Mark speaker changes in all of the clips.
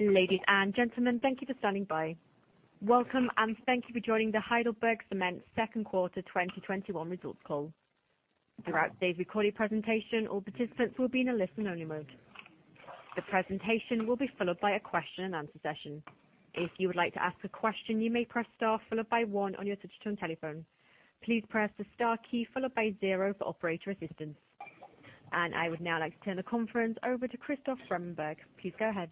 Speaker 1: Ladies and gentlemen, thank you for standing by. Welcome and thank you for joining the HeidelbergCement second quarter 2021 results call. Throughout today's recorded presentation, all participants will be in a listen only mode. The presentation will be followed by a question and answer session. If you would like to ask a question, you may press star followed by one on your touch-tone telephone. Please press the star key followed by zero for operator assistance. I would now like to turn the conference over to Christoph Beumelburg. Please go ahead.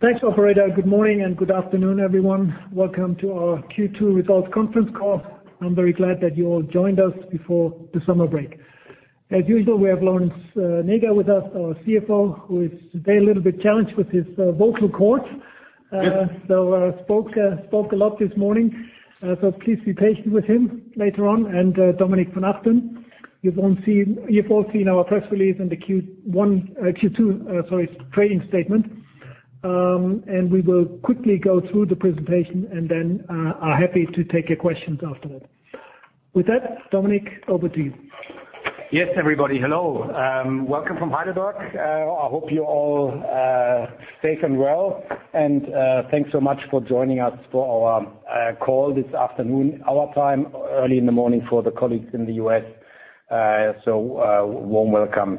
Speaker 2: Thanks, operator. Good morning and good afternoon, everyone. Welcome to our Q2 results conference call. I'm very glad that you all joined us before the summer break. As usual, we have Lorenz Näger with us, our Chief Financial Officer, who is today a little bit challenged with his vocal cords. Spoke a lot this morning, so please be patient with him later on, and Dominik von Achten. You've all seen our press release and the Q2, sorry, trading statement. We will quickly go through the presentation and then are happy to take your questions after that. With that, Dominik, over to you.
Speaker 3: Yes, everybody. Hello. Welcome from Heidelberg. I hope you're all safe and well, and thanks so much for joining us for our call this afternoon, our time, early in the morning for the colleagues in the U.S. Warm welcome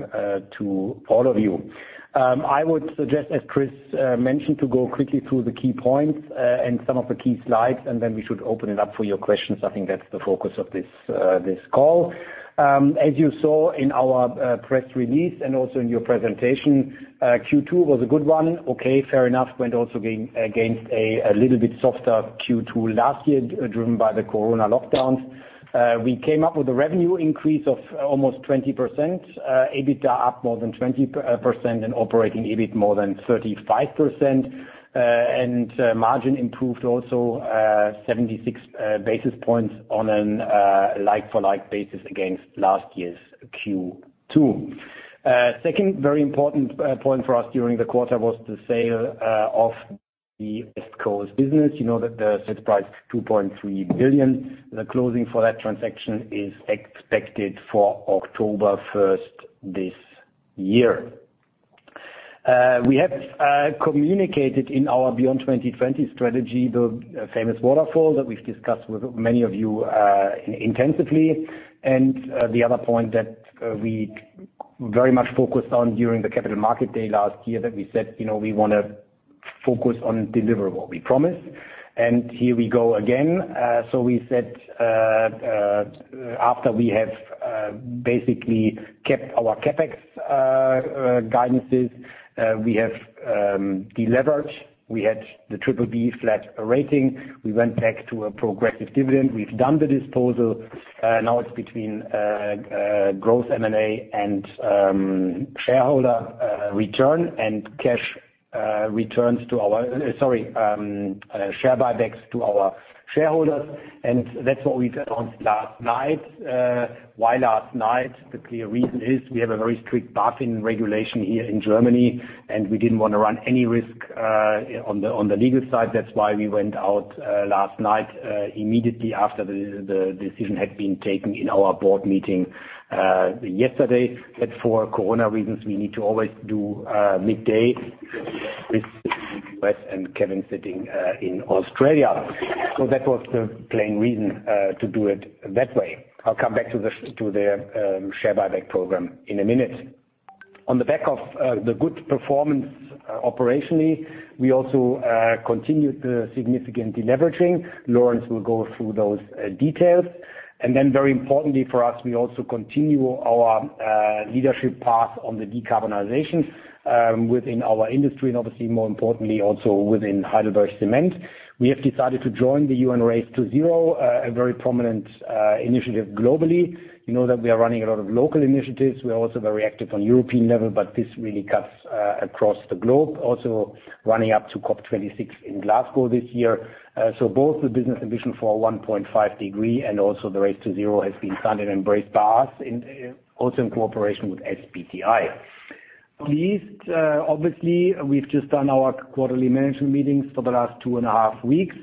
Speaker 3: to all of you. I would suggest, as Chris mentioned, to go quickly through the key points and some of the key slides, and then we should open it up for your questions. I think that's the focus of this call. As you saw in our press release and also in your presentation, Q2 was a good one. Okay, fair enough. Went also against a little bit softer Q2 last year, driven by the corona lockdowns. We came up with a revenue increase of almost 20%, EBITDA up more than 20% and operating EBIT more than 35%, and margin improved also 76 basis points on a like-for-like basis against last year's Q2. Second very important point for us during the quarter was the sale of the West Coast business. You know that the set price $2.3 billion. The closing for that transaction is expected for October 1st this year. We have communicated in our Beyond 2020 strategy, the famous waterfall that we've discussed with many of you intensively. The other point that we very much focused on during the Capital Market Day last year, that we said we want to focus on deliver what we promised. Here we go again. We said after we have basically kept our CapEx guidances, we have deleveraged. We had the BBB rating. We went back to a progressive dividend. We've done the disposal. Now it's between growth M&A and shareholder return and cash returns, share buybacks to our shareholders. That's what we announced last night. Why last night? The clear reason is we have a very strict buy-in regulation here in Germany, and we didn't want to run any risk on the legal side. That's why we went out last night immediately after the decision had been taken in our board meeting yesterday, that for corona reasons, we need to always do midday with U.S. and Kevin sitting in Australia. That was the plain reason to do it that way. I'll come back to the share buyback program in a minute. On the back of the good performance operationally, we also continued the significant deleveraging. Lorenz will go through those details. Then very importantly for us, we also continue our leadership path on the decarbonization within our industry and obviously more importantly also within HeidelbergCement. We have decided to join the UN Race to Zero, a very prominent initiative globally. You know that we are running a lot of local initiatives. We are also very active on European level, but this really cuts across the globe. Also running up to COP26 in Glasgow this year. Both the business ambition for a 1.5 degree and also the Race to Zero has been signed and embraced by us, and also in cooperation with SBTi. Least obviously, we've just done our quarterly management meetings for the last 2.5 weeks.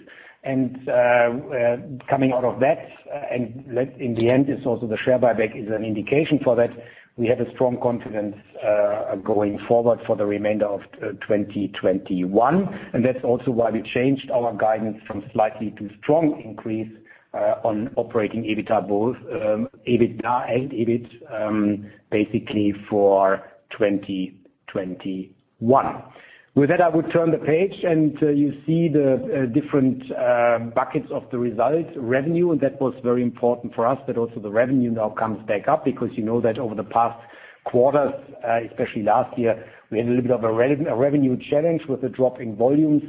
Speaker 3: Coming out of that, and in the end, it's also the share buyback is an indication for that, we have a strong confidence going forward for the remainder of 2021. That's also why we changed our guidance from slightly to strong increase on operating EBITDA, both EBITDA and EBIT, basically for 2021. With that, I would turn the page, and you see the different buckets of the results. Revenue, that was very important for us, that also the revenue now comes back up because you know that over the past quarters, especially last year, we had a little bit of a revenue challenge with the drop in volumes.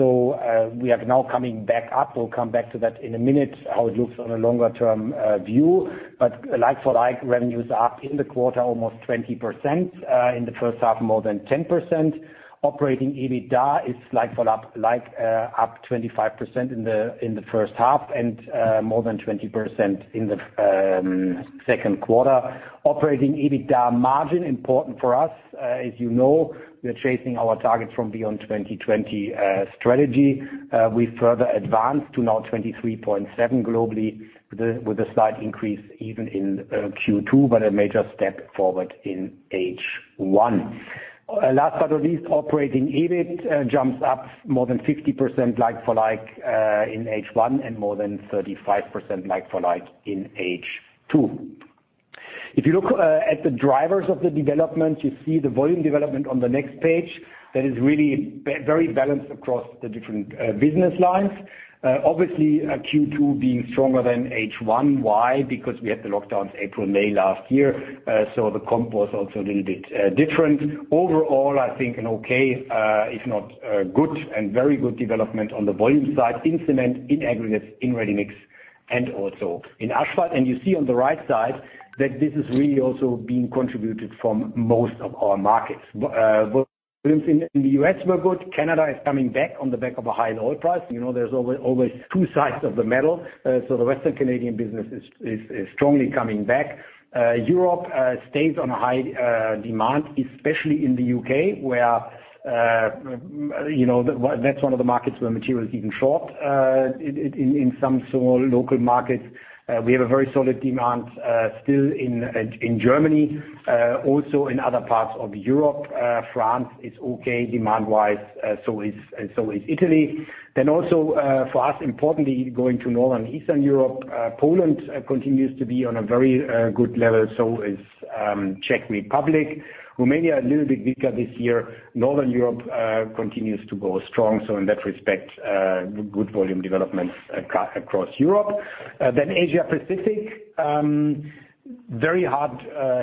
Speaker 3: We are now coming back up. We'll come back to that in a minute, how it looks on a longer-term view. Like for like, revenues are up in the quarter almost 20%, in the first half more than 10%. Operating EBITDA is like for like up 25% in the first half and more than 20% in the second quarter. Operating EBITDA margin, important for us. As you know, we are chasing our targets from Beyond 2020 strategy. We further advanced to now 23.7% globally with a slight increase even in Q2, but a major step forward in H1. Last but not least, operating EBIT jumps up more than 50% like-for-like in H1 and more than 35% like-for-like in H2. If you look at the drivers of the development, you see the volume development on the next page, that is really very balanced across the different business lines. Obviously, Q2 being stronger than H1. Why? We had the lockdowns April, May last year. The comp was also a little bit different. Overall, I think an okay, if not good and very good development on the volume side in cement, in aggregates, in ready-mix, and also in asphalt. You see on the right side that this is really also being contributed from most of our markets. Volumes in the U.S. were good. Canada is coming back on the back of a high oil price. There's always two sides of the metal. The Western Canadian business is strongly coming back. Europe stays on a high demand, especially in the U.K., where that's one of the markets where material is even short in some small local markets. We have a very solid demand still in Germany, also in other parts of Europe. France is okay demand-wise, and so is Italy. Also for us, importantly, going to Northern Eastern Europe, Poland continues to be on a very good level, so is Czech Republic. Romania, a little bit weaker this year. Northern Europe continues to go strong. In that respect, good volume development across Europe. Asia Pacific, very hard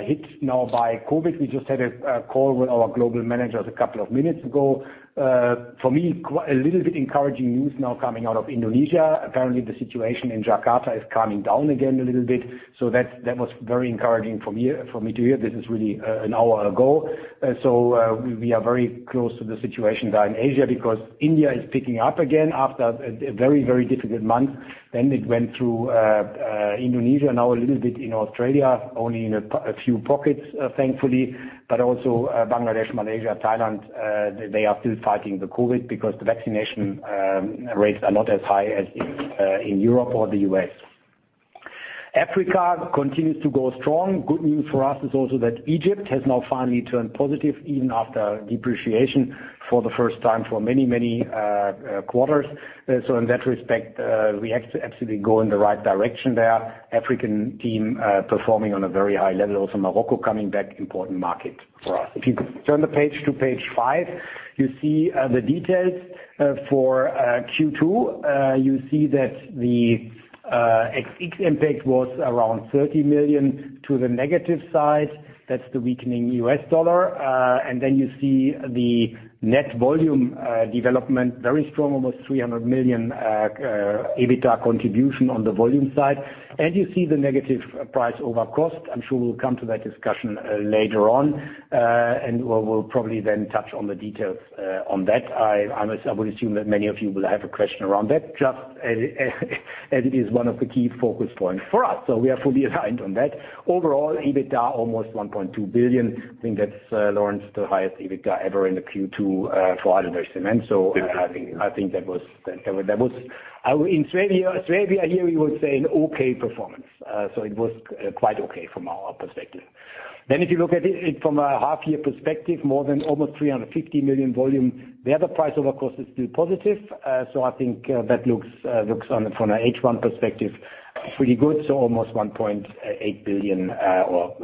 Speaker 3: hit now by COVID. We just had a call with our global managers a couple of minutes ago. For me, a little bit encouraging news now coming out of Indonesia. Apparently, the situation in Jakarta is calming down again a little bit. That was very encouraging for me to hear. This is really an hour ago. We are very close to the situation there in Asia because India is picking up again after a very difficult month. It went through Indonesia, now a little bit in Australia, only in a few pockets, thankfully. Also Bangladesh, Malaysia, Thailand, they are still fighting the COVID because the vaccination rates are not as high as in Europe or the U.S. Africa continues to go strong. Good news for us is also that Egypt has now finally turned positive, even after depreciation for the first time for many quarters. In that respect, we absolutely go in the right direction there. African team performing on a very high level. Also Morocco coming back, important market for us. If you could turn the page to page five, you see the details for Q2. You see that the FX impact was around 30 million to the negative side. That's the weakening U.S. dollar. You see the net volume development, very strong, almost 300 million EBITDA contribution on the volume side. You see the negative price over cost. I'm sure we'll come to that discussion later on. We'll probably then touch on the details on that. I would assume that many of you will have a question around that, just as it is one of the key focus points for us, so we are fully aligned on that. Overall, EBITDA almost 1.2 billion. I think that's, Lorenz, the highest EBITDA ever in the Q2 for HeidelbergCement. In Sweden a year we would say an okay performance. It was quite okay from our perspective. If you look at it from a half year perspective, more than almost 350 million volume. There the price over cost is still positive. I think that looks from an H1 perspective, pretty good. Almost 1.8 billion or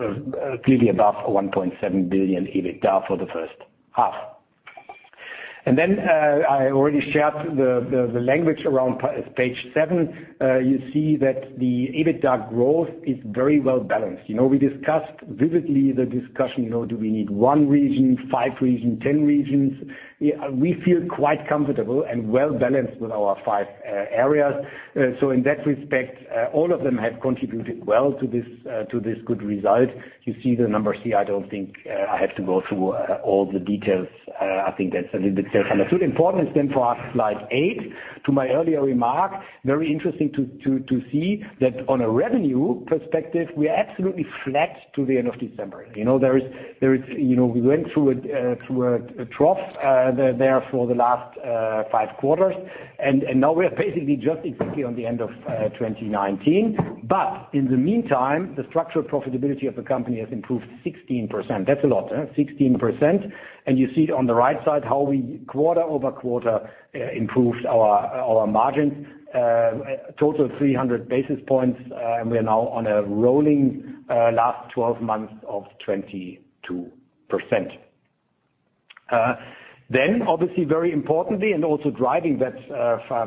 Speaker 3: clearly above 1.7 billion EBITDA for the first half. I already shared the language around page seven. You see that the EBITDA growth is very well balanced. We discussed vividly the discussion, do we need one region, five regions, 10 regions? We feel quite comfortable and well balanced with our five areas. In that respect, all of them have contributed well to this good result. You see the numbers here. I don't think I have to go through all the details. I think that's a little bit self-understood. Slide eight, to my earlier remark, very interesting to see that on a revenue perspective, we are absolutely flat to the end of December. We went through a trough there for the last five quarters, now we are basically just exactly on the end of 2019. In the meantime, the structural profitability of the company has improved 16%. That's a lot. 16%. You see it on the right side, how we QoQ improved our margins, total 300 basis points, and we are now on a rolling last 12 months of 22%. Obviously very importantly, also driving that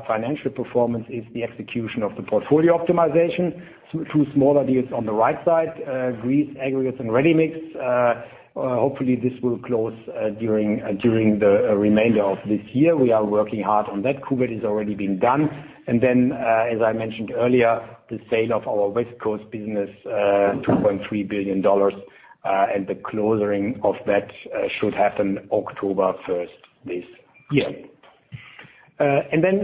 Speaker 3: financial performance is the execution of the portfolio optimization through smaller deals on the right side, Greece aggregates and ready-mix. Hopefully this will close during the remainder of this year. We are working hard on that. Kuwait has already been done. As I mentioned earlier, the sale of our West Coast business, $2.3 billion, the closing of that should happen October 1st this year.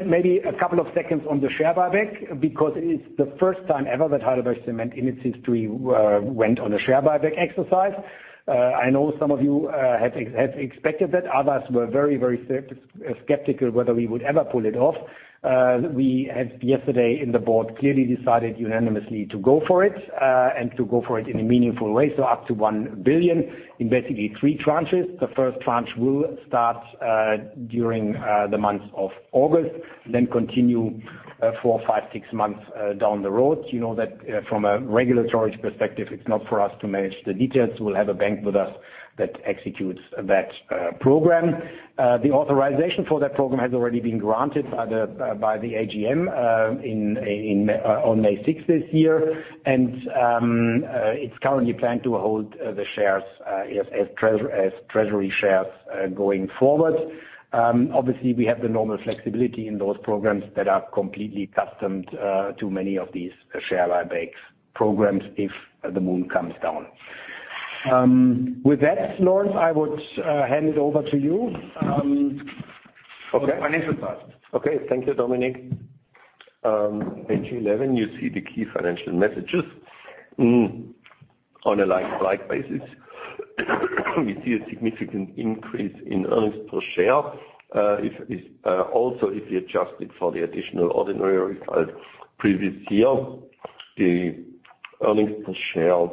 Speaker 3: Maybe a couple of seconds on the share buyback, because it is the first time ever that HeidelbergCement, in its history, went on a share buyback exercise. I know some of you had expected that. Others were very skeptical whether we would ever pull it off. We had yesterday, in the board, clearly decided unanimously to go for it, and to go for it in a meaningful way, up to 1 billion in basically three tranches. The first tranche will start during the month of August, continue four, five, six months down the road. You know that from a regulatory perspective, it's not for us to manage the details. We'll have a bank with us that executes that program. The authorization for that program has already been granted by the AGM on May 6th this year, it's currently planned to hold the shares as treasury shares going forward. Obviously, we have the normal flexibility in those programs that are completely customed to many of these share buybacks programs if the moon comes down. With that, Lorenz, I would hand it over to you.
Speaker 4: Okay.
Speaker 3: For the financial part.
Speaker 4: Okay. Thank you, Dominik. Page 11, you see the key financial messages. On a like-to-like basis, we see a significant increase in earnings per share. If we adjust it for the additional ordinary results previous year, the earnings per share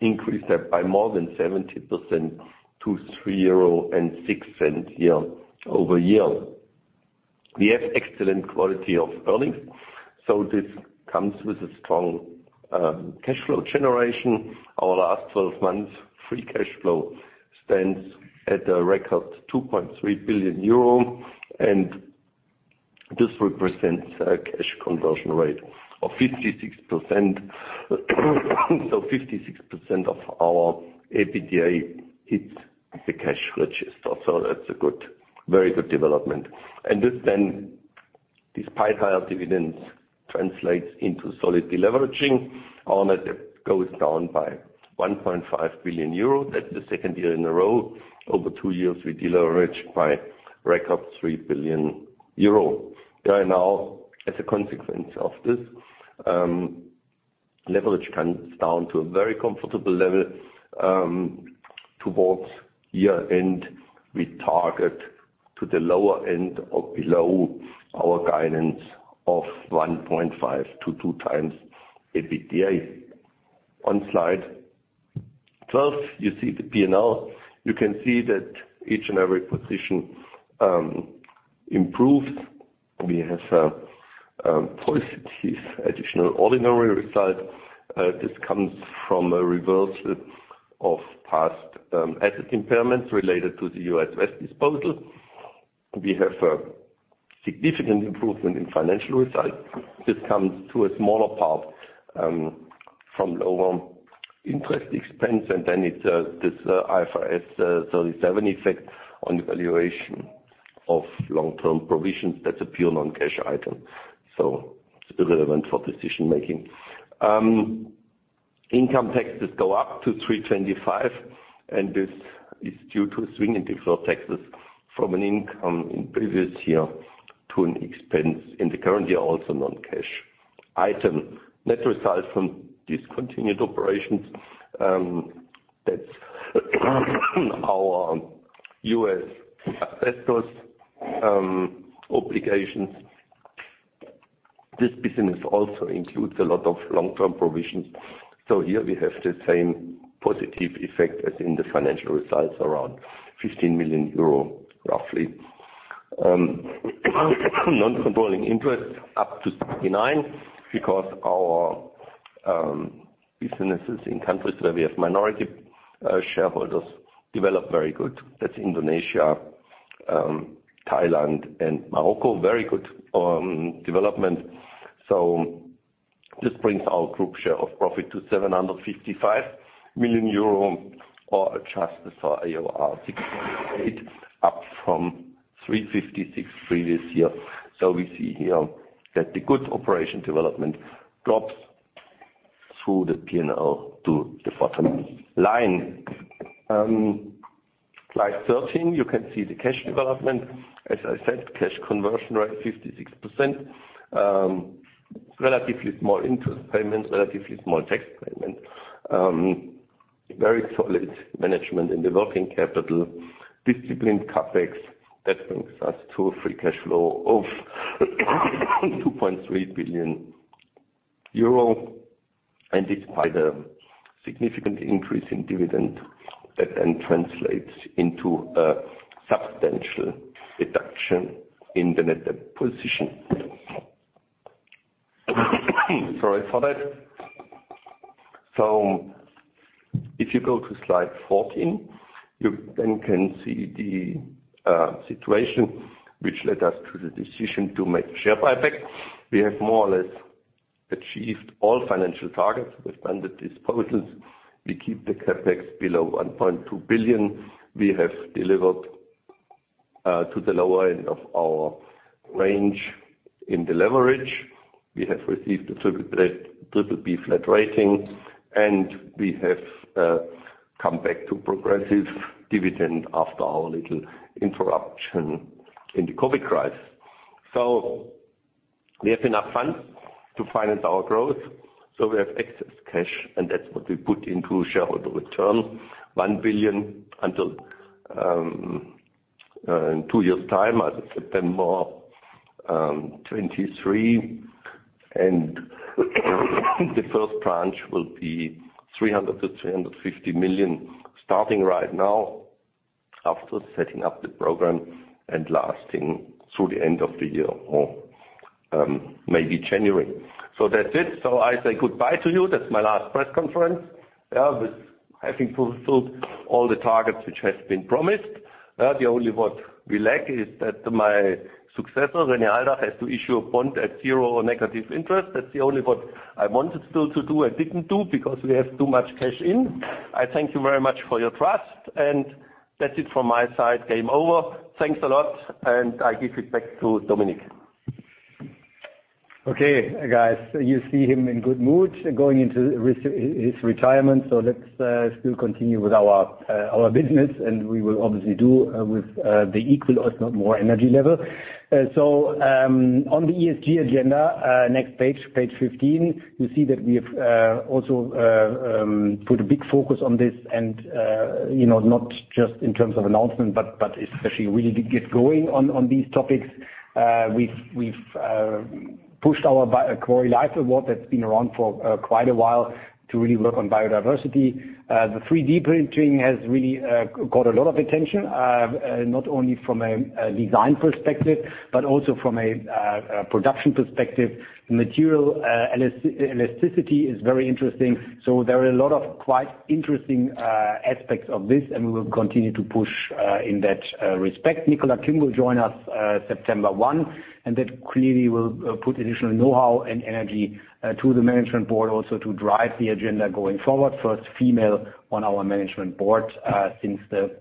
Speaker 4: increased by more than 70% to 3.06 euro YoY. We have excellent quality of earnings, this comes with a strong cash flow generation. Our last 12 months free cash flow stands at a record 2.3 billion euro, and this represents a cash conversion rate of 56%. 56% of our EBITDA hits the cash register. That's a very good development. This then, despite higher dividends, translates into solid deleveraging. Our net debt goes down by 1.5 billion euros. That's the second year in a row. Over two years, we deleveraged by a record 3 billion euros. There are now, as a consequence of this, leverage comes down to a very comfortable level towards year-end. We target to the lower end or below our guidance of 1.5x-2x EBITDA. On slide 12, you see the P&L. You can see that each and every position improved. We have a positive additional ordinary result. This comes from a reversal of past asset impairments related to the U.S. West disposal. We have a significant improvement in financial results. This comes to a smaller part from lower interest expense, and then it's this IAS 37 effect on the valuation of long-term provisions. That's a pure non-cash item, so it's irrelevant for decision making. Income taxes go up to 325, and this is due to a swing in deferred taxes from an income in the previous year to an expense in the current year, also non-cash item. Net results from discontinued operations. That's our U.S. asbestos obligations. This business also includes a lot of long-term provisions. Here we have the same positive effect as in the financial results, around 15 million euro, roughly. Non-controlling interest up to 69% because our businesses in countries where we have minority shareholders develop very good. That's Indonesia, Thailand, and Morocco. Very good development. This brings our group share of profit to 755 million euro, or adjusted for AOR, 6.8%, up from 356 million the previous year. We see here that the good operation development drops through the P&L to the bottom line. Slide 13, you can see the cash development. As I said, cash conversion rate 56%. Relatively small interest payments, relatively small tax payments. Very solid management in the working capital. Disciplined CapEx. That brings us to a free cash flow of 2.3 billion euro, despite a significant increase in dividend, that translates into a substantial reduction in the net debt position. Sorry for that. If you go to slide 14, you can see the situation which led us to the decision to make the share buyback. We have more or less achieved all financial targets with branded disposals. We keep the CapEx below 1.2 billion. We have delivered to the lower end of our range in the leverage, we have received a BBB flat rating, we have come back to progressive dividend after our little interruption in the COVID crisis. We have enough funds to finance our growth. We have excess cash, that's what we put into shareholder return, 1 billion until in two years' time, as of September 2023. The first tranche will be 300 million-350 million starting right now after setting up the program and lasting through the end of the year or maybe January. That's it. I say goodbye to you. That's my last press conference. With having fulfilled all the targets which has been promised. The only what we lack is that my successor, René Aldach, has to issue a bond at zero or negative interest. That's the only what I wanted still to do and didn't do because we have too much cash in. I thank you very much for your trust, and that's it from my side. Game over. Thanks a lot, and I give it back to Dominik.
Speaker 3: Okay, guys. You see him in good mood going into his retirement. Let's still continue with our business, and we will obviously do with the equal if not more energy level. On the ESG agenda, next page 15, you see that we have also put a big focus on this and not just in terms of announcement, but especially really to get going on these topics. We've pushed our Quarry Life Award that's been around for quite a while to really work on biodiversity. The 3D printing has really got a lot of attention, not only from a design perspective, but also from a production perspective. Material elasticity is very interesting. There are a lot of quite interesting aspects of this, and we will continue to push in that respect. Nicola Kimm will join us September 1, That clearly will put additional knowhow and energy to the Management Board also to drive the agenda going forward. First female on our Management Board since the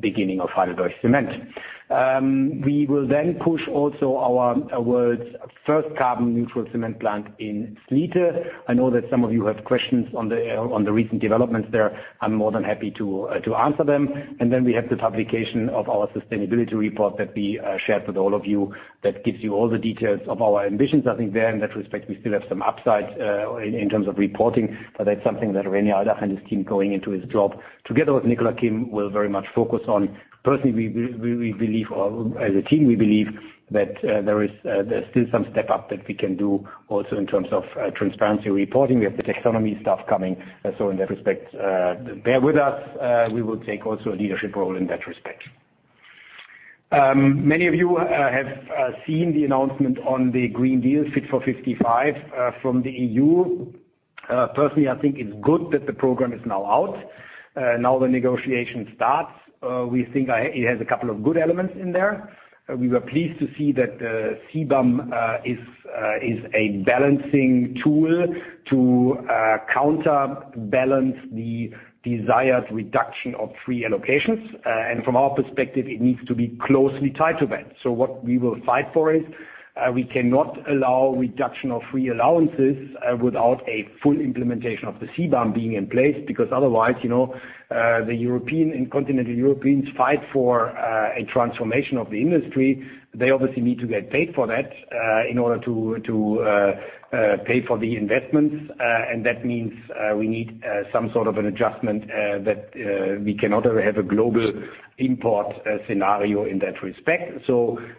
Speaker 3: beginning of HeidelbergCement. We will push also our world's first carbon neutral cement plant in Slite. I know that some of you have questions on the recent developments there. I'm more than happy to answer them. We have the publication of our sustainability report that we shared with all of you that gives you all the details of our ambitions. I think there, in that respect, we still have some upsides in terms of reporting. That's something that René Aldach and his team going into his job together with Nicola Kimm will very much focus on. Personally, we believe, or as a team, we believe that there's still some step up that we can do also in terms of transparency reporting. We have the taxonomy stuff coming. In that respect, bear with us. We will take also a leadership role in that respect. Many of you have seen the announcement on the Green Deal Fit for 55 from the EU. Personally, I think it's good that the program is now out. Now the negotiation starts. We think it has a couple of good elements in there. We were pleased to see that CBAM is a balancing tool to counterbalance the desired reduction of free allocations. From our perspective, it needs to be closely tied to that. What we will fight for is, we cannot allow reduction of free allowances without a full implementation of the CBAM being in place because otherwise, the European and continental Europeans fight for a transformation of the industry. They obviously need to get paid for that in order to pay for the investments. That means we need some sort of an adjustment that we cannot have a global import scenario in that respect.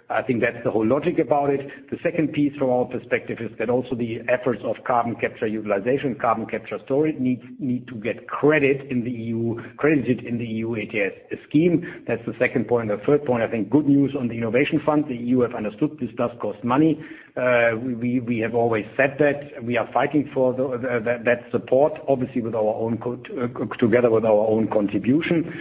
Speaker 3: I think that's the whole logic about it. The second piece from our perspective is that also the efforts of carbon capture utilization, carbon capture storage need to get credited in the EU ETS scheme. That's the second point. The third point, I think good news on the Innovation Fund. The EU have understood this does cost money. We have always said that. We are fighting for that support, obviously together with our own contribution.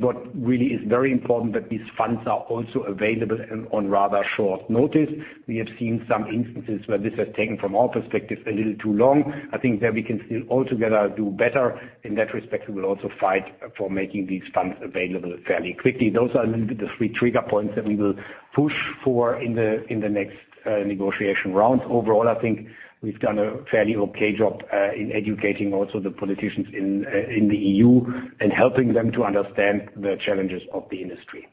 Speaker 3: What really is very important, that these funds are also available on rather short notice. We have seen some instances where this has taken, from our perspective, a little too long. I think there we can still all together do better. In that respect, we will also fight for making these funds available fairly quickly. Those are a little bit the three trigger points that we will push for in the next negotiation rounds. Overall, I think we've done a fairly okay job in educating also the politicians in the EU and helping them to understand the challenges of the industry.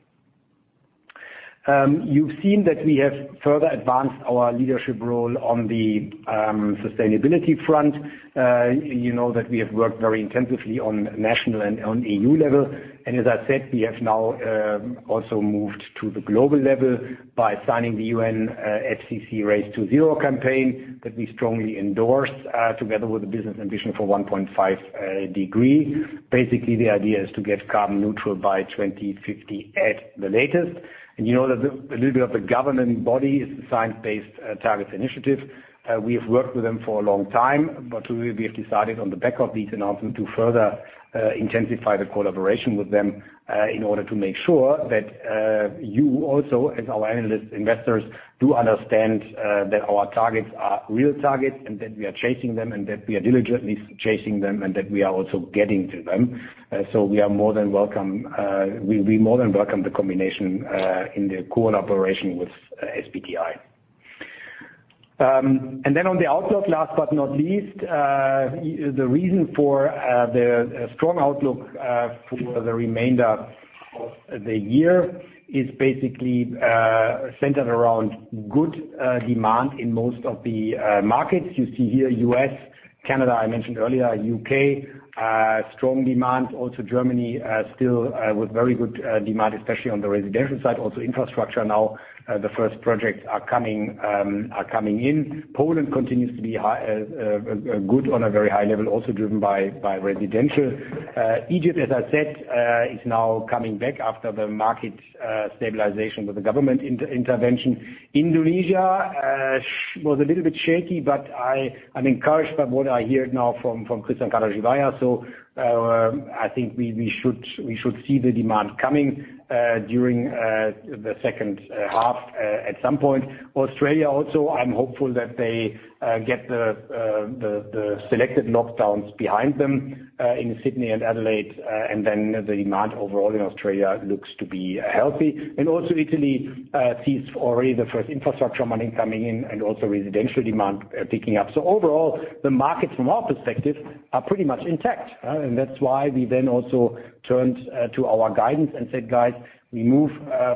Speaker 3: You've seen that we have further advanced our leadership role on the sustainability front. You know that we have worked very intensively on national and on EU level. As I said, we have now also moved to the global level by signing the UNFCCC Race to Zero campaign that we strongly endorse, together with the business ambition for 1.5 degree. Basically, the idea is to get carbon neutral by 2050 at the latest. You know that a little bit of the governing body is the Science Based Targets initiative. We have worked with them for a long time, but we have decided on the back of these announcements to further intensify the collaboration with them, in order to make sure that you also, as our analysts, investors, do understand that our targets are real targets and that we are chasing them, and that we are diligently chasing them, and that we are also getting to them. We more than welcome the combination in the cooperation with SBTi. On the outlook, last but not least, the reason for the strong outlook for the remainder of the year is basically centered around good demand in most of the markets. You see here, U.S., Canada, I mentioned earlier U.K., strong demand. Germany still with very good demand, especially on the residential side. Infrastructure now the first projects are coming in. Poland continues to be good on a very high level, also driven by residential. Egypt, as I said, is now coming back after the market stabilization with the government intervention. Indonesia was a little bit shaky, but I'm encouraged by what I hear now from Christian Knell. I think we should see the demand coming during the second half at some point. Australia, I'm hopeful that they get the selected lockdowns behind them in Sydney and Adelaide. The demand overall in Australia looks to be healthy. Italy sees already the first infrastructure money coming in and also residential demand picking up. Overall, the markets from our perspective are pretty much intact. That's why we then also turned to our guidance and said, "Guys, we move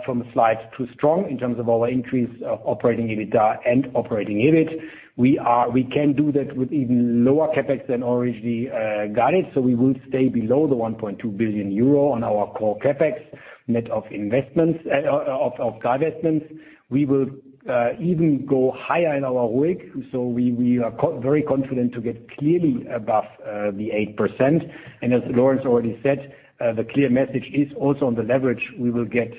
Speaker 3: from slight to strong in terms of our increase of operating EBITDA and operating EBIT." We can do that with even lower CapEx than originally guided. We will stay below the 1.2 billion euro on our core CapEx net of divests. We will even go higher in our ROIC. We are very confident to get clearly above the 8%. As Lorenz already said, the clear message is also on the leverage we will get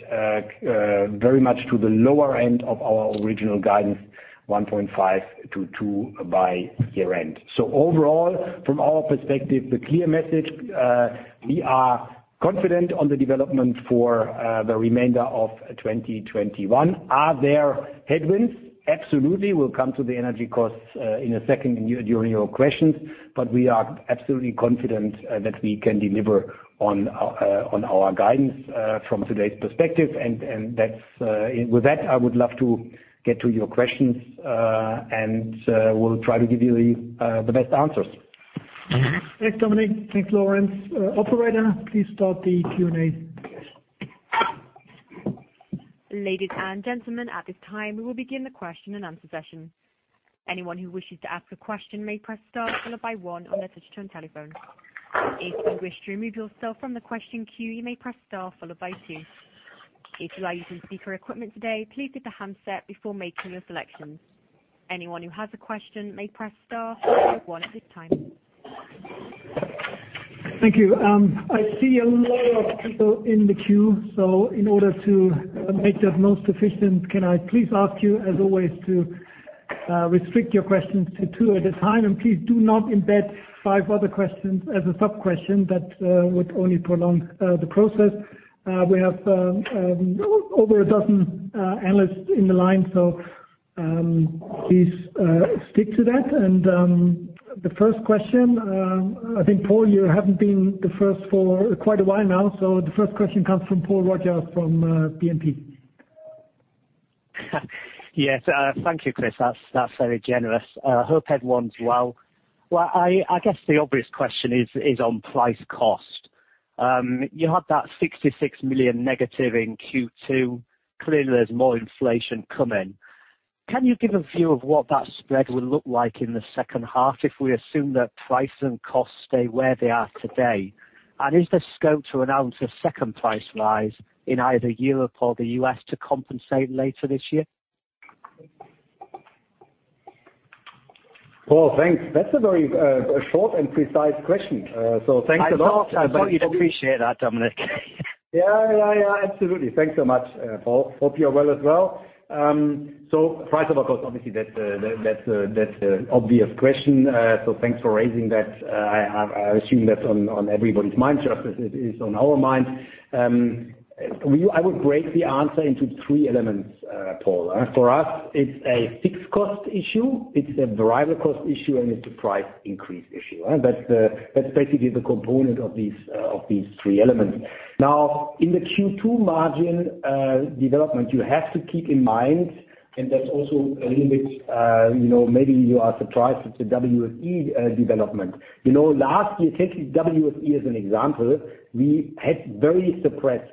Speaker 3: very much to the lower end of our original guidance, 1.5x-2x by year-end. Overall, from our perspective, the clear message, we are confident on the development for the remainder of 2021. Are there headwinds? Absolutely. We'll come to the energy costs in a second during your questions, we are absolutely confident that we can deliver on our guidance from today's perspective. With that, I would love to get to your questions, and we'll try to give you the best answers.
Speaker 2: Thanks, Dominik. Thanks, Lorenz. Operator, please start the Q&A.
Speaker 1: Ladies and gentlemen, at this time, we will begin the question-and-answer session. Anyone who wishes to ask a question may press star followed by one on their touch-tone telephone. If you wish to remove yourself from the question queue, you may press star followed by two. If you are using speaker equipment today, please hit the handset before making your selections. Anyone who has a question may press star followed by one at this time.
Speaker 2: Thank you. I see a lot of people in the queue. In order to make that most efficient, can I please ask you, as always, to restrict your questions to two at a time, and please do not embed five other questions as a sub-question. That would only prolong the process. We have over a dozen analysts in the line, so please stick to that. The first question, I think, Paul, you haven't been the first for quite a while now. The first question comes from Paul Roger from BNP.
Speaker 5: Yes. Thank you, Chris. That is very generous. Hope everyone is well. I guess the obvious question is on price cost. You had that 66 million negative in Q2. Clearly, there is more inflation coming. Can you give a view of what that spread will look like in the second half if we assume that price and costs stay where they are today? Is there scope to announce a second price rise in either Europe or the U.S. to compensate later this year?
Speaker 3: Paul, thanks. That's a very short and precise question. Thanks a lot.
Speaker 5: I thought you'd appreciate that, Dominik.
Speaker 3: Yeah. Absolutely. Thanks so much, Paul. Hope you're well as well. Price over cost, obviously that's the obvious question, so thanks for raising that. I assume that's on everybody's mind just as it is on our mind. I would break the answer into three elements, Paul. For us, it's a fixed cost issue, it's a variable cost issue, and it's a price increase issue. That's basically the component of these three elements. In the Q2 margin development, you have to keep in mind, and that's also a little bit maybe you are surprised at the WSE development. Last year, take WSE as an example, we had very suppressed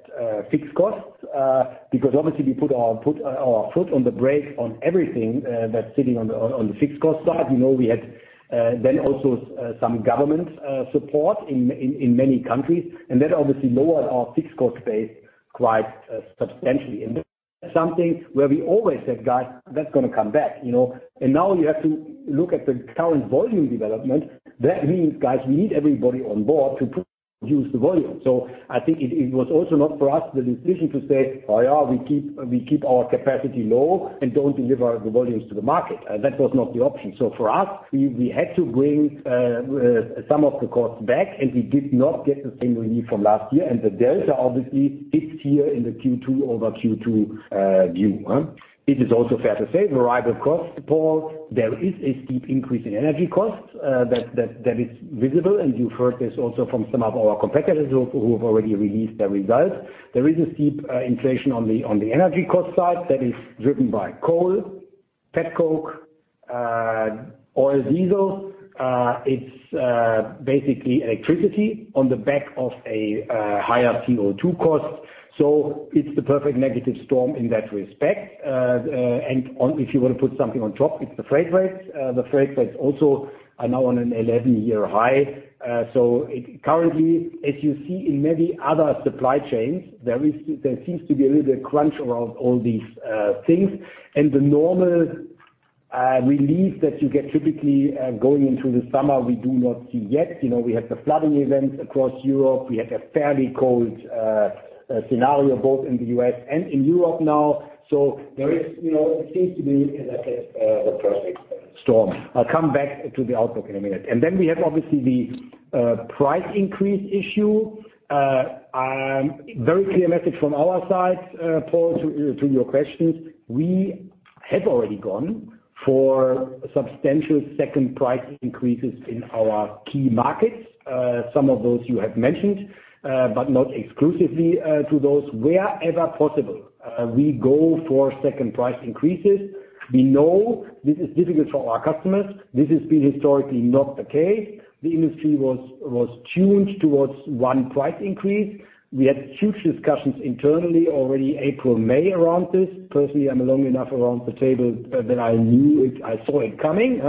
Speaker 3: fixed costs because obviously we put our foot on the brake on everything that's sitting on the fixed cost side. We had then also some government support in many countries, and that obviously lowered our fixed cost base quite substantially. That's something where we always said, "Guys, that's going to come back." Now you have to look at the current volume development. That means, guys, we need everybody on board to produce the volume. I think it was also not for us the decision to say, "Oh, yeah, we keep our capacity low and don't deliver the volumes to the market." That was not the option. For us, we had to bring some of the costs back, and we did not get the same relief from last year. The delta obviously hits here in the Q2 over Q2 view. It is also fair to say, variable cost, Paul, there is a steep increase in energy costs that is visible, and you've heard this also from some of our competitors who have already released their results. There is a steep inflation on the energy cost side that is driven by coal, petcoke, oil, diesel. It's basically electricity on the back of a higher CO2 cost. It's the perfect negative storm in that respect. If you want to put something on top, it's the freight rates. The freight rates also are now on an 11-year high. Currently, as you see in many other supply chains, there seems to be a little bit of crunch around all these things. The normal relief that you get typically, going into the summer, we do not see yet. We had the flooding events across Europe. We had a fairly cold scenario, both in the U.S. and in Europe now. There seems to be, as I said, the perfect storm. I'll come back to the outlook in a minute. Then we have obviously the price increase issue. Very clear message from our side, Paul, to your questions. We have already gone for substantial second price increases in our key markets. Some of those you have mentioned, but not exclusively to those. Wherever possible, we go for second price increases. We know this is difficult for our customers. This has been historically not the case. The industry was tuned towards one price increase. We had huge discussions internally already April, May around this. Personally, I'm long enough around the table that I knew it, I saw it coming.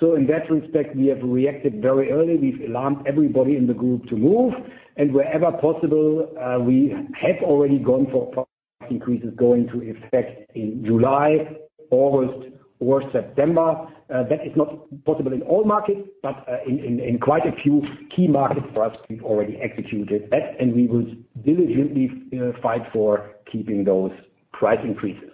Speaker 3: In that respect, we have reacted very early. We've alarmed everybody in the group to move and wherever possible, we have already gone for price increases going to effect in July, August or September. That is not possible in all markets, but in quite a few key markets for us, we've already executed that and we will diligently fight for keeping those price increases.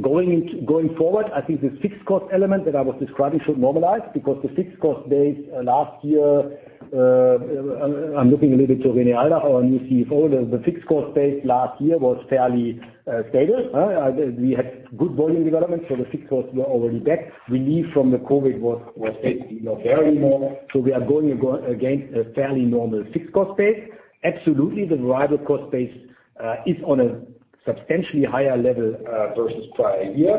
Speaker 3: Going forward, I think the fixed cost element that I was describing should normalize because the fixed cost base last year, I'm looking a little bit to René Aldach, our new Chief Financial Officer. The fixed cost base last year was fairly stable. We had good volume development, so the fixed costs were already back. Relief from the COVID was fairly normal. We are going against a fairly normal fixed cost base. Absolutely, the variable cost base is on a substantially higher level versus prior year.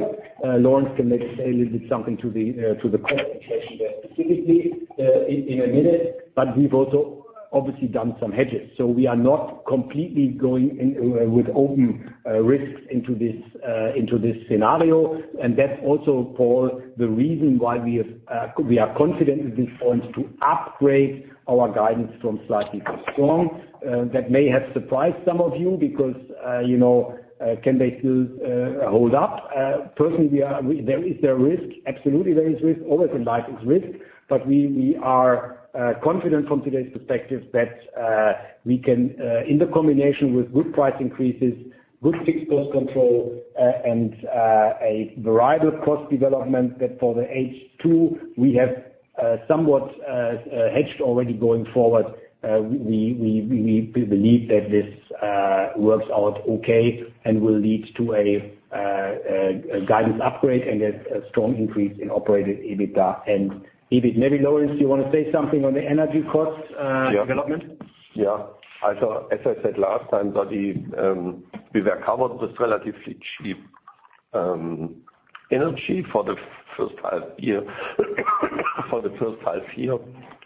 Speaker 3: Lorenz can maybe say a little bit something to the cost question there specifically in a minute, but we've also obviously done some hedges. We are not completely going in with open risks into this scenario. That's also, Paul, the reason why we are confident at this point to upgrade our guidance from slightly to strong. That may have surprised some of you because can they still hold up? Personally, there is a risk. Absolutely, there is risk. Always in life is risk, but we are confident from today's perspective that we can, in the combination with good price increases, good fixed cost control and a variable cost development that for the H2 we have somewhat hedged already going forward. We believe that this works out okay and will lead to a guidance upgrade and a strong increase in operating EBITDA and EBIT. Maybe Lorenz, you want to say something on the energy costs development?
Speaker 4: As I said last time, that we were covered with relatively cheap energy for the first half year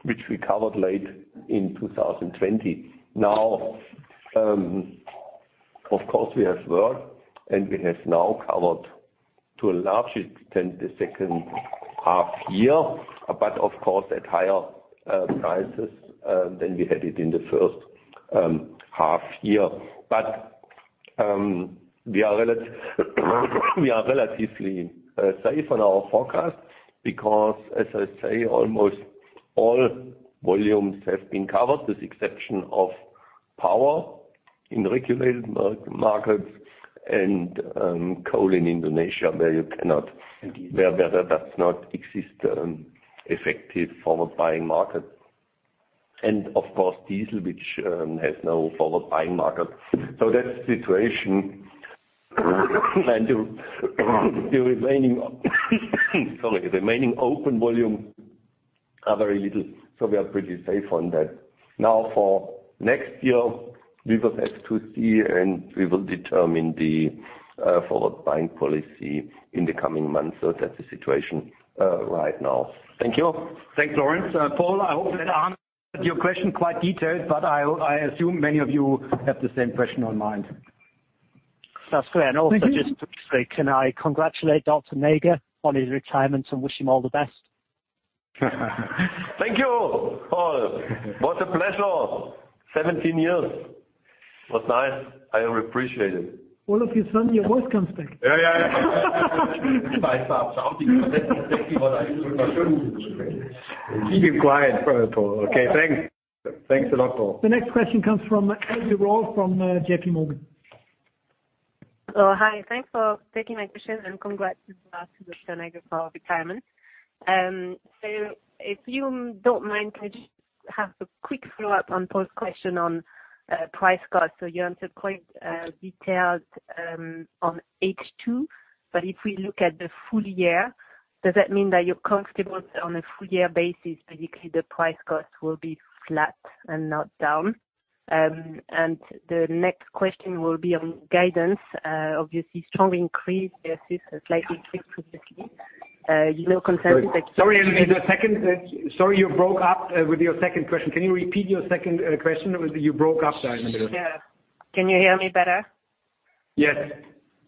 Speaker 4: which we covered late in 2020. Of course we have work, and we have now covered to a large extent the second half year, but of course at higher prices than we had it in the first half year. We are relatively safe on our forecast because, as I say, almost all volumes have been covered with exception of power in regulated markets and coal in Indonesia, where there does not exist effective forward buying market. Of course diesel, which has no forward buying market. That's the situation. The remaining open volume are very little, so we are pretty safe on that. For next year, we will have to see, and we will determine the forward buying policy in the coming months. That's the situation right now. Thank you.
Speaker 3: Thanks, Lorenz. Paul, I hope that answered your question quite detailed, but I assume many of you have the same question on mind.
Speaker 5: That's clear. Also just to say, can I congratulate Dr. Näger on his retirement and wish him all the best.
Speaker 4: Thank you, Paul. What a pleasure. 17 years. Was nice. I appreciate it.
Speaker 2: All of a sudden your voice comes back.
Speaker 4: Yeah. If I start shouting, that is exactly what I should do. Keep quiet, Paul. Okay, thanks. Thanks a lot, Paul.
Speaker 2: The next question comes from Elodie Rall from J.P. Morgan.
Speaker 6: Hi, thanks for taking my question and congrats to Dr. Näger for retirement. If you don't mind, can I just have a quick follow-up on Paul's question on price cost? You answered quite detailed on H2, but if we look at the full year, does that mean that you're comfortable that on a full year basis, basically the price cost will be flat and not down? The next question will be on guidance, obviously strong increase versus a slightly tweaked previously.
Speaker 3: Sorry, Elodie, you broke up with your second question. Can you repeat your second question? You broke up there in the middle.
Speaker 6: Sure. Can you hear me better?
Speaker 3: Yes.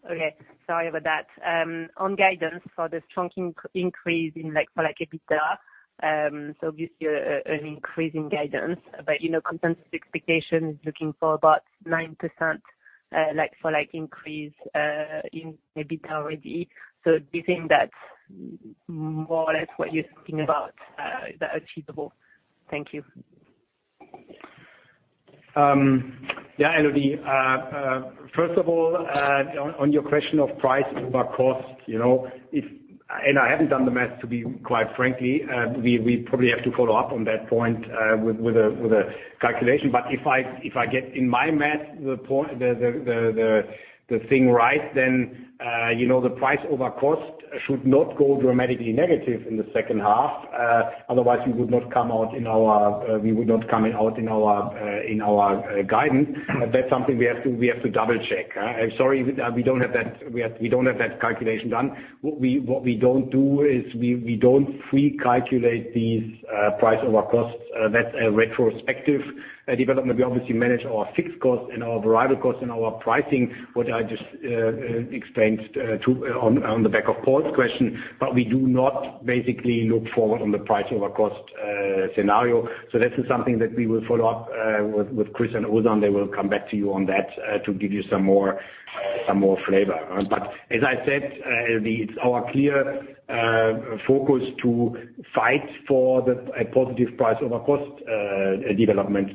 Speaker 6: Okay. Sorry about that. On guidance for the strong increase in EBITDA. Obviously, an increase in guidance, but consensus expectation is looking for about 9% increase in EBITDA already. Do you think that's more or less what you're thinking about, is that achievable? Thank you.
Speaker 3: Yeah, Elodie. First of all, on your question of price over cost. I haven't done the math, to be quite frankly. We probably have to follow up on that point with a calculation. If I get in my math, the thing right then the price over cost should not go dramatically negative in the second half. Otherwise, we would not come out in our guidance. That's something we have to double-check. I'm sorry, we don't have that calculation done. What we don't do is we don't pre-calculate these price over costs. That's a retrospective development. We obviously manage our fixed cost and our variable cost and our pricing, what I just explained on the back of Paul's question. We do not basically look forward on the price over cost scenario. That is something that we will follow up with Chris and Ozan. They will come back to you on that, to give you some more flavor. As I said, Elodie Rall, it's our clear focus to fight for a positive price over cost development.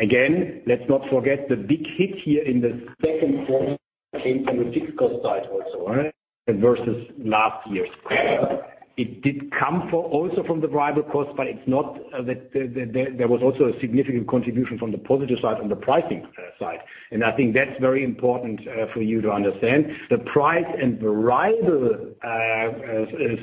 Speaker 3: Again, let's not forget the big hit here in the second quarter came from the fixed cost side also. Versus last year's, it did come also from the variable cost, but there was also a significant contribution from the positive side, on the pricing side. I think that's very important for you to understand. The price and variable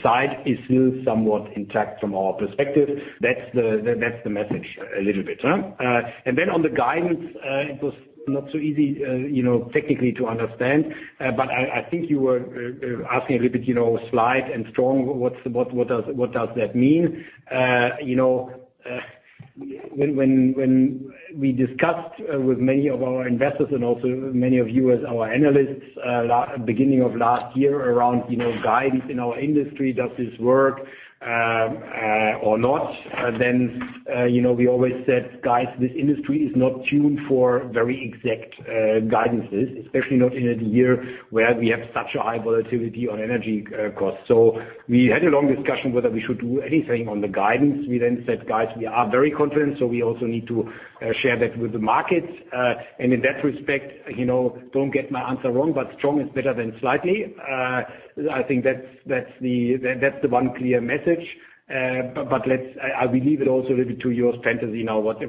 Speaker 3: side is still somewhat intact from our perspective. That's the message a little bit. On the guidance, it was not so easy technically to understand. I think you were asking a little bit, slight and strong, what does that mean? When we discussed with many of our investors and also many of you as our analysts, beginning of last year around guidance in our industry, does this work or not? We always said, "Guys, this industry is not tuned for very exact guidances, especially not in a year where we have such a high volatility on energy costs." We had a long discussion whether we should do anything on the guidance. We then said, "Guys, we are very confident, so we also need to share that with the markets." In that respect, don't get my answer wrong, but strong is better than slightly. I think that's the one clear message. I will leave it also a little bit to your fantasy now what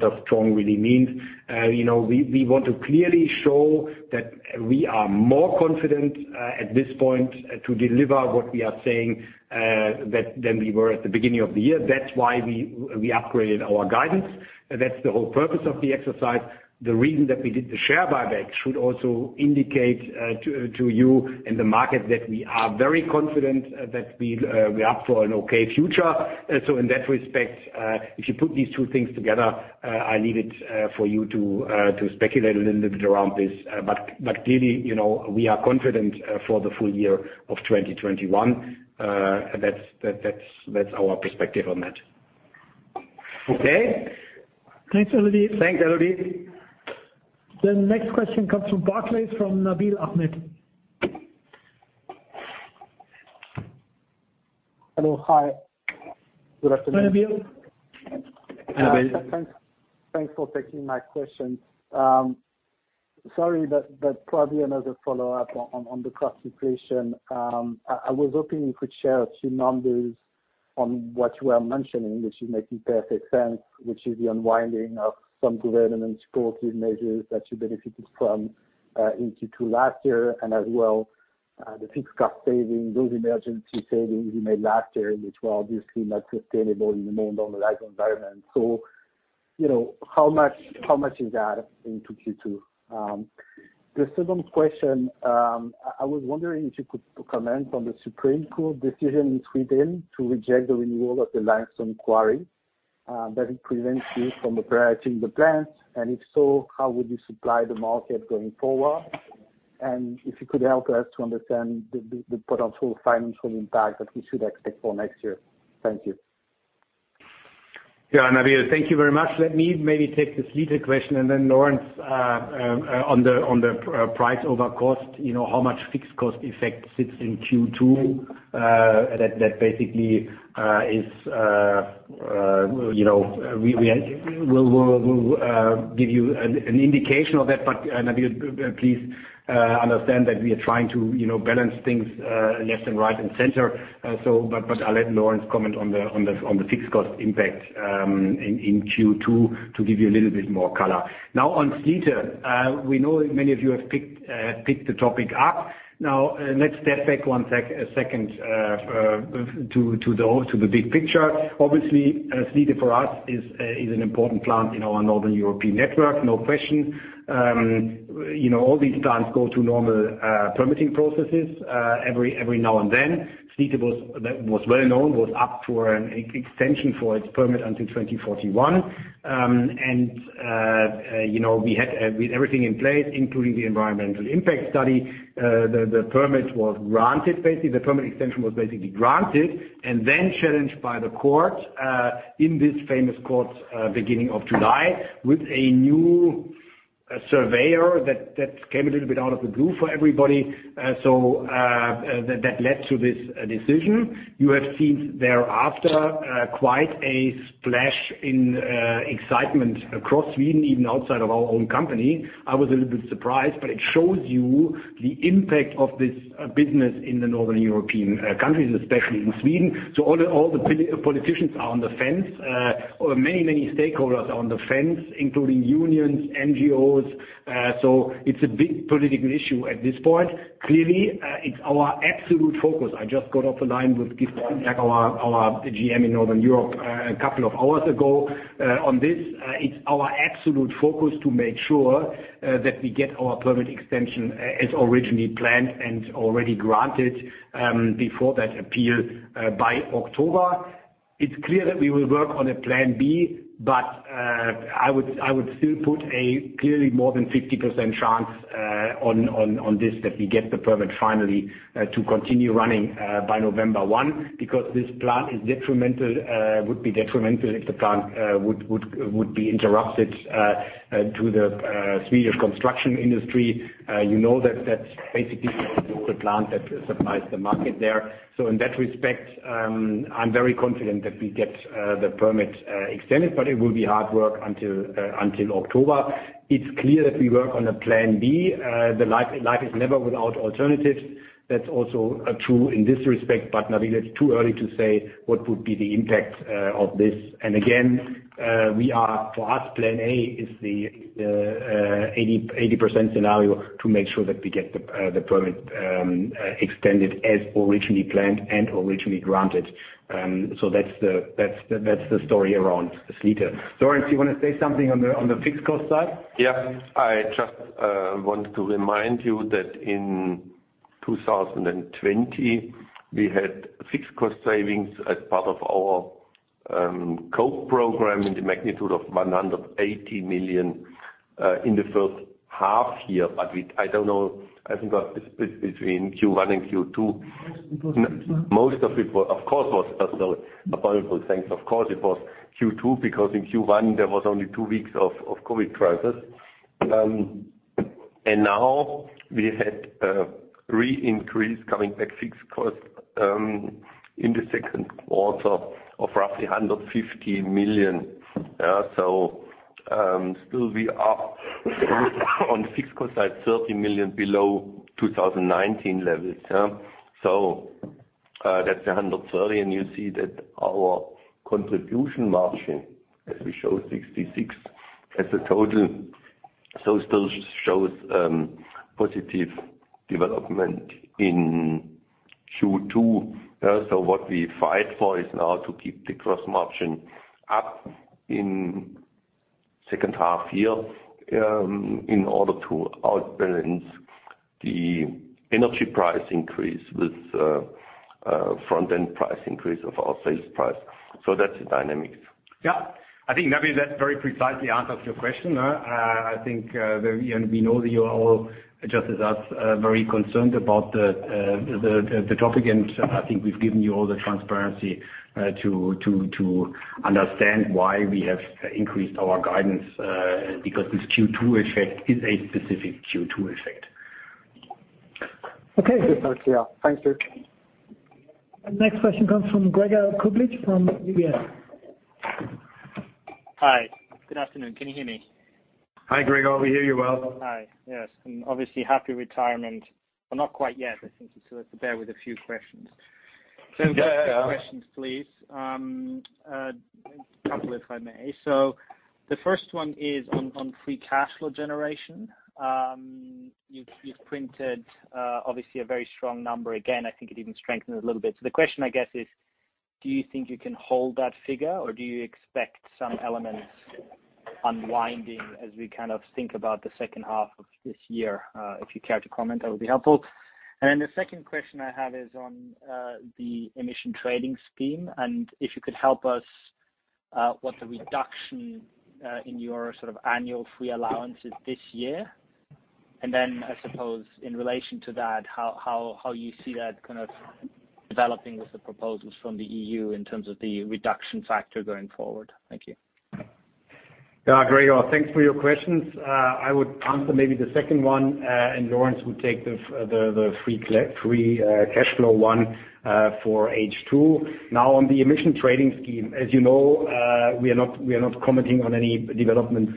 Speaker 3: does strong really means. We want to clearly show that we are more confident at this point to deliver what we are saying than we were at the beginning of the year. That's why we upgraded our guidance. That's the whole purpose of the exercise. The reason that we did the share buyback should also indicate to you and the market that we are very confident that we're up for an okay future. In that respect, if you put these two things together, I leave it for you to speculate a little bit around this. Really, we are confident for the full year of 2021. That's our perspective on that. Okay?
Speaker 2: Thanks, Elodie.
Speaker 3: Thanks, Elodie.
Speaker 2: The next question comes from Barclays, from Nabil Ahmed.
Speaker 7: Hello, hi. Good afternoon.
Speaker 2: Hi, Nabil.
Speaker 3: Nabil.
Speaker 7: Thanks for taking my question. Sorry, probably another follow-up on the cost inflation. I was hoping you could share a few numbers on what you are mentioning, which is making perfect sense, which is the unwinding of some government supportive measures that you benefited from into last year, and as well the fixed cost saving, those emergency savings you made last year, which were obviously not sustainable in the more normalized environment. How much is that in two Q2? The second question, I was wondering if you could comment on the Supreme Court decision in Sweden to reject the renewal of the Limestone Quarry. Does it prevent you from operating the plants? If so, how would you supply the market going forward? If you could help us to understand the potential financial impact that we should expect for next year. Thank you.
Speaker 3: Yeah, Nabil, thank you very much. Let me maybe take the Slite question and then Lorenz on the price over cost, how much fixed cost effect sits in Q2. We'll give you an indication of that, but Nabil, please understand that we are trying to balance things left and right and center. I'll let Lorenz comment on the fixed cost impact in Q2 to give you a little bit more color. On Slite, we know many of you have picked the topic up. Let's step back one second to the big picture. Obviously, Slite for us is an important plant in our Northern European network. No question. All these plants go through normal permitting processes every now and then. Slite was well known, was up to an extension for its permit until 2041. We had everything in place, including the environmental impact study. The permit extension was basically granted and then challenged by the court in this famous court beginning of July with a new a surveyor that came a little bit out of the blue for everybody. That led to this decision. You have seen thereafter, quite a splash in excitement across Sweden, even outside of our own company. I was a little bit surprised, but it shows you the impact of this business in the Northern European countries, especially in Sweden. All the politicians are on the fence. Many, many stakeholders are on the fence, including unions, NGOs. It's a big political issue at this point. Clearly, it's our absolute focus. I just got off the line with our GM in Northern Europe a couple of hours ago on this. It's our absolute focus to make sure that we get our permit extension as originally planned and already granted, before that appeal, by October. It's clear that we will work on a plan B, but I would still put a clearly more than 50% chance on this, that we get the permit finally to continue running by November 1, because this would be detrimental if the plant would be interrupted to the Swedish construction industry. You know that that's basically the only Slite plant that supplies the market there. In that respect, I'm very confident that we get the permit extended, but it will be hard work until October. It's clear that we work on a plan B. Life is never without alternatives. That's also true in this respect, but I think it's too early to say what would be the impact of this. Again, for us, plan A is the 80% scenario to make sure that we get the permit extended as originally planned and originally granted. That's the story around Sweden. Lorenz, you want to say something on the fixed cost side?
Speaker 4: Yeah. I just want to remind you that in 2020, we had fixed cost savings as part of our COPE program in the magnitude of 180 million in the first half year. I don't know, I think between Q1 and Q2.
Speaker 3: Most of it was Q2.
Speaker 4: Most of it, of course, was as a variable thing. Of course, it was Q2, because in Q1, there was only two weeks of COVID crisis. Now we had re-increase coming back fixed costs in the second quarter of roughly 150 million. Still we are on fixed costs side, 30 million below 2019 levels. That's 130 and you see that our contribution margin, as we show 66% as a total. Still shows positive development in Q2. What we fight for is now to keep the gross margin up in second half-year in order to outbalance the energy price increase with front-end price increase of our sales price. That's the dynamics.
Speaker 3: Yeah. I think that very precisely answers your question. I think we know that you are all, just as us, very concerned about the topic. I think we've given you all the transparency to understand why we have increased our guidance, because this Q2 effect is a specific Q2 effect.
Speaker 2: Okay.
Speaker 7: Thanks. Yeah. Thank you.
Speaker 2: Next question comes from Gregor Kuglitsch from UBS.
Speaker 8: Hi. Good afternoon. Can you hear me?
Speaker 3: Hi, Gregor. We hear you well.
Speaker 8: Hi. Yes. Obviously happy retirement. Well, not quite yet. I think you still have to bear with a few questions.
Speaker 3: Yeah.
Speaker 8: A few questions, please. A couple if I may. The first one is on free cash flow generation. You've printed obviously a very strong number again. I think it even strengthened it a little bit. The question I guess is, do you think you can hold that figure or do you expect some elements unwinding as we kind of think about the second half of this year? If you care to comment, that would be helpful. The second question I have is on the emission trading scheme, and if you could help us, what the reduction in your sort of annual free allowance is this year. I suppose in relation to that, how you see that kind of developing with the proposals from the EU in terms of the reduction factor going forward. Thank you.
Speaker 3: Yeah. Gregor, thanks for your questions. I would answer maybe the second one, and Lorenz would take the free cash flow one for H2. Now on the emission trading scheme, as you know, we are not commenting on any developments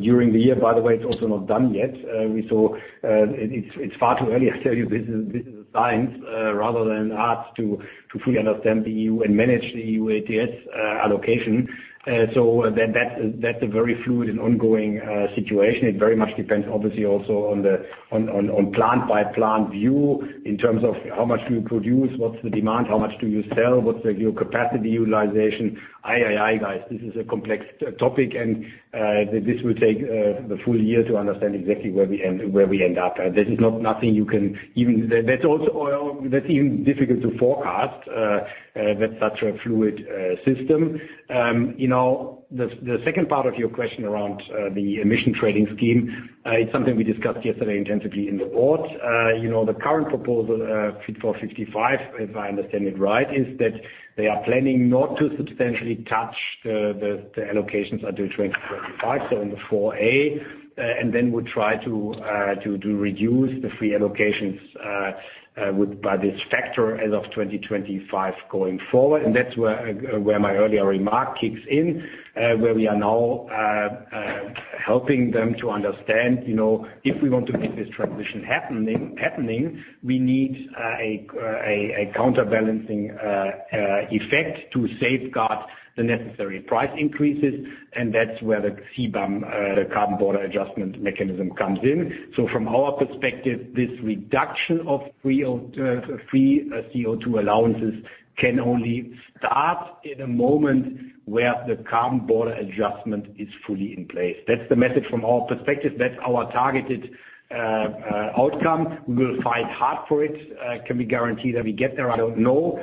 Speaker 3: during the year. By the way, it's also not done yet. It's far too early. I tell you, this is a science rather than art to fully understand the EU and manage the EU ETS allocation. That's a very fluid and ongoing situation. It very much depends obviously also on plant-by-plant view in terms of how much do you produce, what's the demand, how much do you sell, what's your capacity utilization, ai, ai, guys. This is a complex topic and this will take the full year to understand exactly where we end up. That's even difficult to forecast with such a fluid system. The second part of your question around the emission trading scheme, it's something we discussed yesterday intensively in the board. The current proposal, Fit for 55, if I understand it right, is that they are planning not to substantially touch the allocations are due 2025, so in the 4A. Then we'll try to reduce the free allocations by this factor as of 2025 going forward. That's where my earlier remark kicks in, where we are now helping them to understand, if we want to get this transition happening, we need a counterbalancing effect to safeguard the necessary price increases. That's where the CBAM, Carbon Border Adjustment Mechanism, comes in. From our perspective, this reduction of free CO2 allowances can only start in a moment where the Carbon Border Adjustment is fully in place. That's the message from our perspective. That's our targeted outcome. We will fight hard for it. Can we guarantee that we get there? I don't know,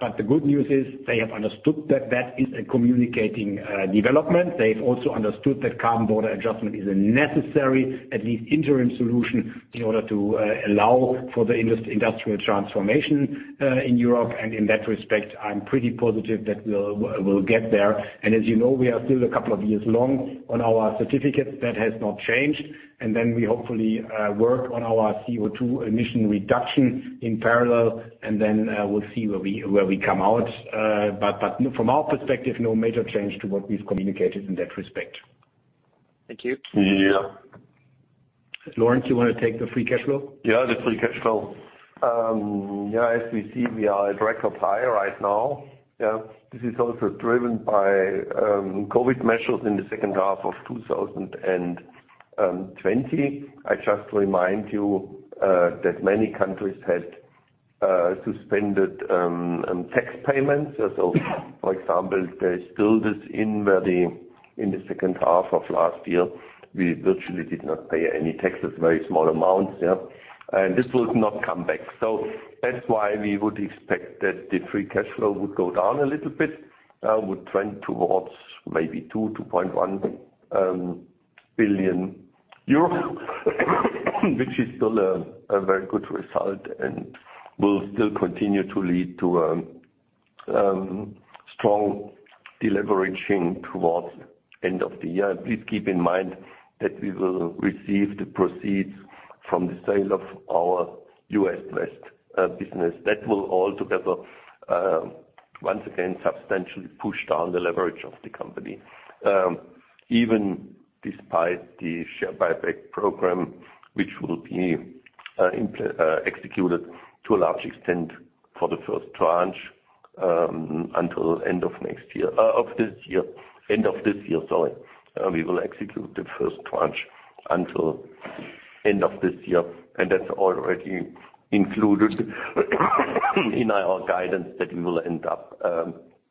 Speaker 3: but the good news is they have understood that that is a communicating development. They've also understood that Carbon Border Adjustment is a necessary, at least interim solution, in order to allow for the industrial transformation in Europe. In that respect, I'm pretty positive that we'll get there. As you know, we are still a couple of years long on our certificates. That has not changed. Then we hopefully work on our CO2 emission reduction in parallel, and then we'll see where we come out. From our perspective, no major change to what we've communicated in that respect.
Speaker 8: Thank you.
Speaker 4: Yeah.
Speaker 3: Lorenz, you want to take the free cash flow?
Speaker 4: The free cash flow. As we see, we are at record high right now. This is also driven by COVID measures in the second half of 2020. I just remind you that many countries had suspended tax payments. For example, there is still this in where the, in the second half of last year, we virtually did not pay any taxes, very small amounts. And this will not come back. That's why we would expect that the free cash flow would go down a little bit. Would trend towards maybe 2 billion-2.1 billion euros, which is still a very good result and will still continue to lead to strong deleveraging towards end of the year. Please keep in mind that we will receive the proceeds from the sale of our U.S. West business. That will all together, once again, substantially push down the leverage of the company. Even despite the share buyback program, which will be executed to a large extent for the first tranche until end of this year. We will execute the first tranche until end of this year, and that's already included in our guidance that we will end up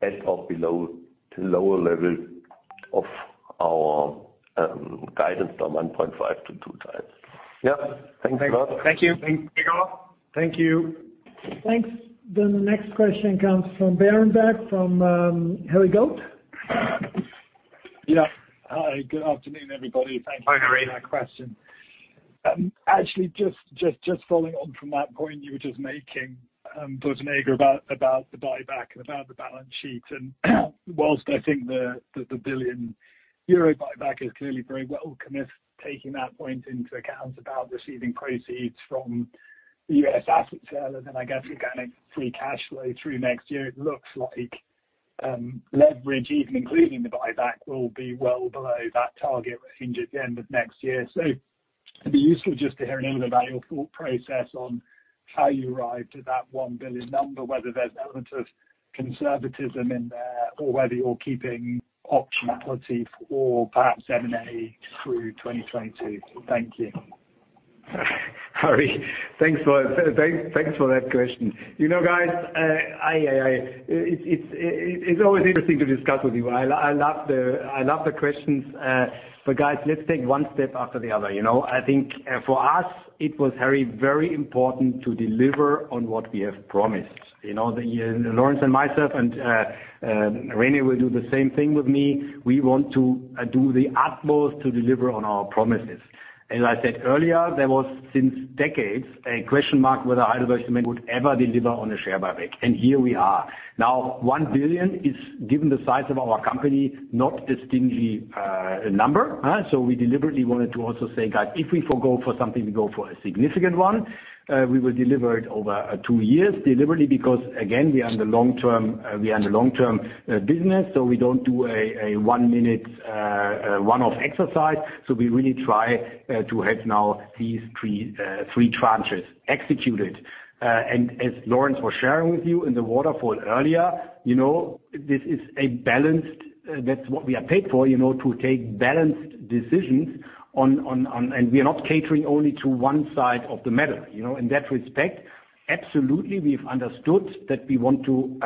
Speaker 4: at or below the lower level of our guidance from 1.5x-2x. Yeah. Thanks a lot.
Speaker 8: Thank you.
Speaker 3: Thanks, Gregor. Thank you.
Speaker 2: Thanks. The next question comes from Berenberg, from Harry Goad.
Speaker 9: Yeah. Hi, good afternoon, everybody. Thank you for taking our question. Actually, just following on from that point you were just making, Dominik, about the buyback and about the balance sheet. Whilst I think the 1 billion euro buyback is clearly very welcome, if taking that point into account about receiving proceeds from the U.S. asset sale and then I guess organic free cash flow through next year, it looks like leverage even including the buyback will be well below that target range at the end of next year. It'd be useful just to hear a little about your thought process on how you arrived at that 1 billion number, whether there's an element of conservatism in there or whether you're keeping options policy for perhaps M&A through 2022. Thank you.
Speaker 3: Harry, thanks for that question. You know, guys, it's always interesting to discuss with you. I love the questions. Guys, let's take one step after the other. I think for us it was very important to deliver on what we have promised. Lorenz and myself and René will do the same thing with me. We want to do the utmost to deliver on our promises. As I said earlier, there was since decades a question mark whether HeidelbergCement would ever deliver on a share buyback. Here we are. Now, 1 billion is, given the size of our company, not a distinctive number. We deliberately wanted to also say, guys, if we go for something, we go for a significant one. We will deliver it over two years deliberately because again, we are in the long-term business, so we don't do a one-minute one-off exercise. We really try to have now these three tranches executed. As Lorenz was sharing with you in the waterfall earlier, that's what we are paid for, to take balanced decisions. We are not catering only to one side of the matter. In that respect, absolutely we've understood that we want to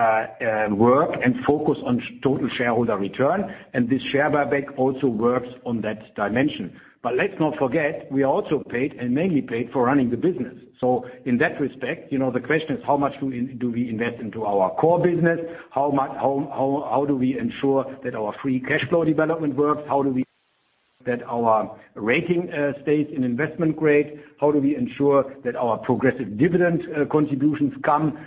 Speaker 3: work and focus on total shareholder return, and this share buyback also works on that dimension. Let's not forget, we are also paid and mainly paid for running the business. In that respect, the question is how much do we invest into our core business? How do we ensure that our free cash flow development works? How do we ensure that our rating stays in investment grade. How do we ensure that our progressive dividend contributions come?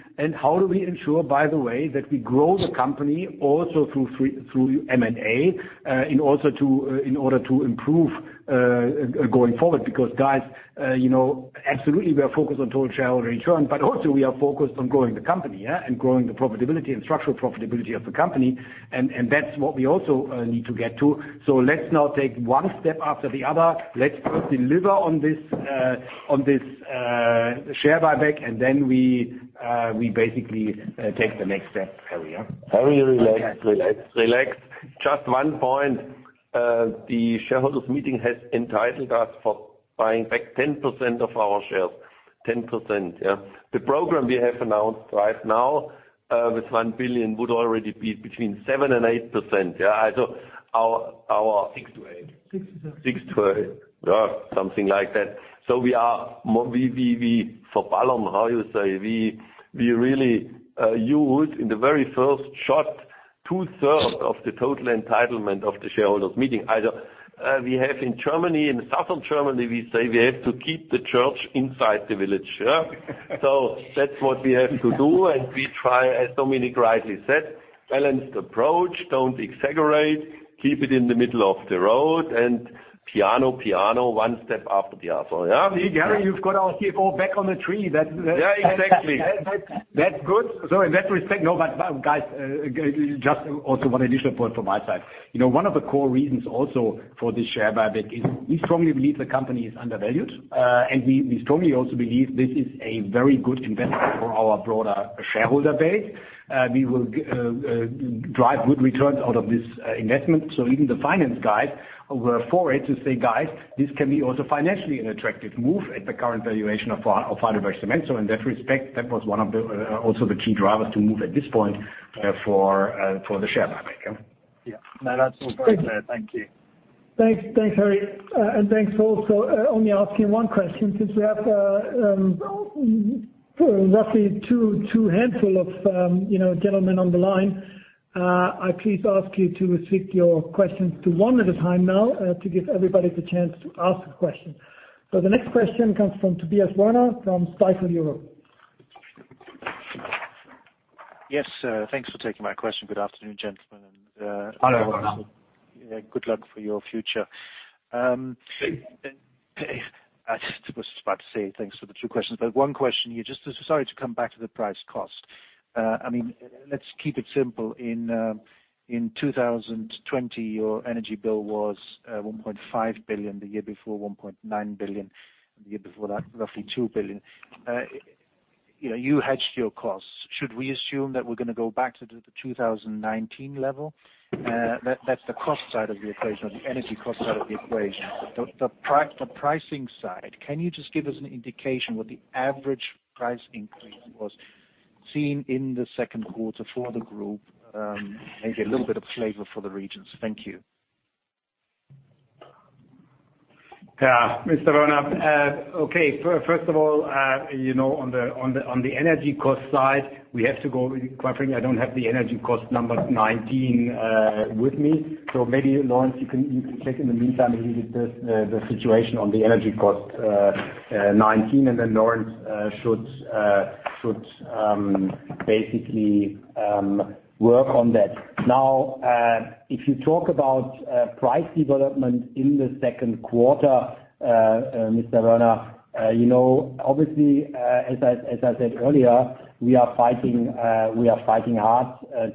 Speaker 3: How do we ensure, by the way, that we grow the company also through M&A, in order to improve going forward? Guys, absolutely we are focused on total shareholder return, but also we are focused on growing the company, and growing the profitability and structural profitability of the company, and that's what we also need to get to. Let's now take one step after the other. Let's first deliver on this share buyback, and then we basically take the next step, Harry.
Speaker 4: Harry, relax. Just one point. The shareholders' meeting has entitled us for buying back 10% of our shares. 10%. The program we have announced right now, with 1 billion would already be between 7% and 8%.
Speaker 3: 6%-8%.
Speaker 2: 6%-8%.
Speaker 4: 6%-8%. Something like that. We follow, how you say? We really used, in the very first shot, two-thirds of the total entitlement of the shareholders meeting. In Southern Germany, we say we have to keep the church inside the village. That's what we have to do, and we try, as Dominik rightly said, balanced approach, don't exaggerate, keep it in the middle of the road, and piano, one step after the other.
Speaker 3: Harry, you've got our Chief Financial Officer back on the tree.
Speaker 4: Yeah, exactly.
Speaker 3: That's good. In that respect, no. Guys, just also one additional point from my side. One of the core reasons also for this share buyback is we strongly believe the company is undervalued. We strongly also believe this is a very good investment for our broader shareholder base. We will drive good returns out of this investment. Even the finance guys were for it, to say, "Guys, this can be also financially an attractive move at the current valuation of HeidelbergCement." In that respect, that was one of also the key drivers to move at this point for the share buyback.
Speaker 9: Yeah. No, that's all very clear. Thank you.
Speaker 2: Thanks, Harry. Thanks also. Only asking one question since we have roughly two handful of gentlemen on the line. I please ask you to restrict your questions to one at a time now, to give everybody the chance to ask a question. The next question comes from Tobias Woerner from Stifel.
Speaker 10: Yes, thanks for taking my question. Good afternoon, gentlemen.
Speaker 4: Hello, Woerner.
Speaker 10: Good luck for your future.
Speaker 4: Thank you.
Speaker 10: I just was about to say thanks for the two questions, but one question here. Just sorry to come back to the price cost. Let's keep it simple. In 2020, your energy bill was 1.5 billion, the year before 1.9 billion, and the year before that, roughly 2 billion. You hedged your costs. Should we assume that we're going to go back to the 2019 level? That's the cost side of the equation or the energy cost side of the equation. The pricing side, can you just give us an indication what the average price increase was seen in the second quarter for the group? Maybe a little bit of flavor for the regions. Thank you.
Speaker 3: Mr. Woerner. First of all, on the energy cost side, we have to go, quite frankly, I don't have the energy cost numbers 2019 with me. Maybe Lorenz, you can check in the meantime and leave the situation on the energy cost 2019. Lorenz should basically work on that. If you talk about price development in the second quarter, Mr. Woerner, obviously, as I said earlier, we are fighting hard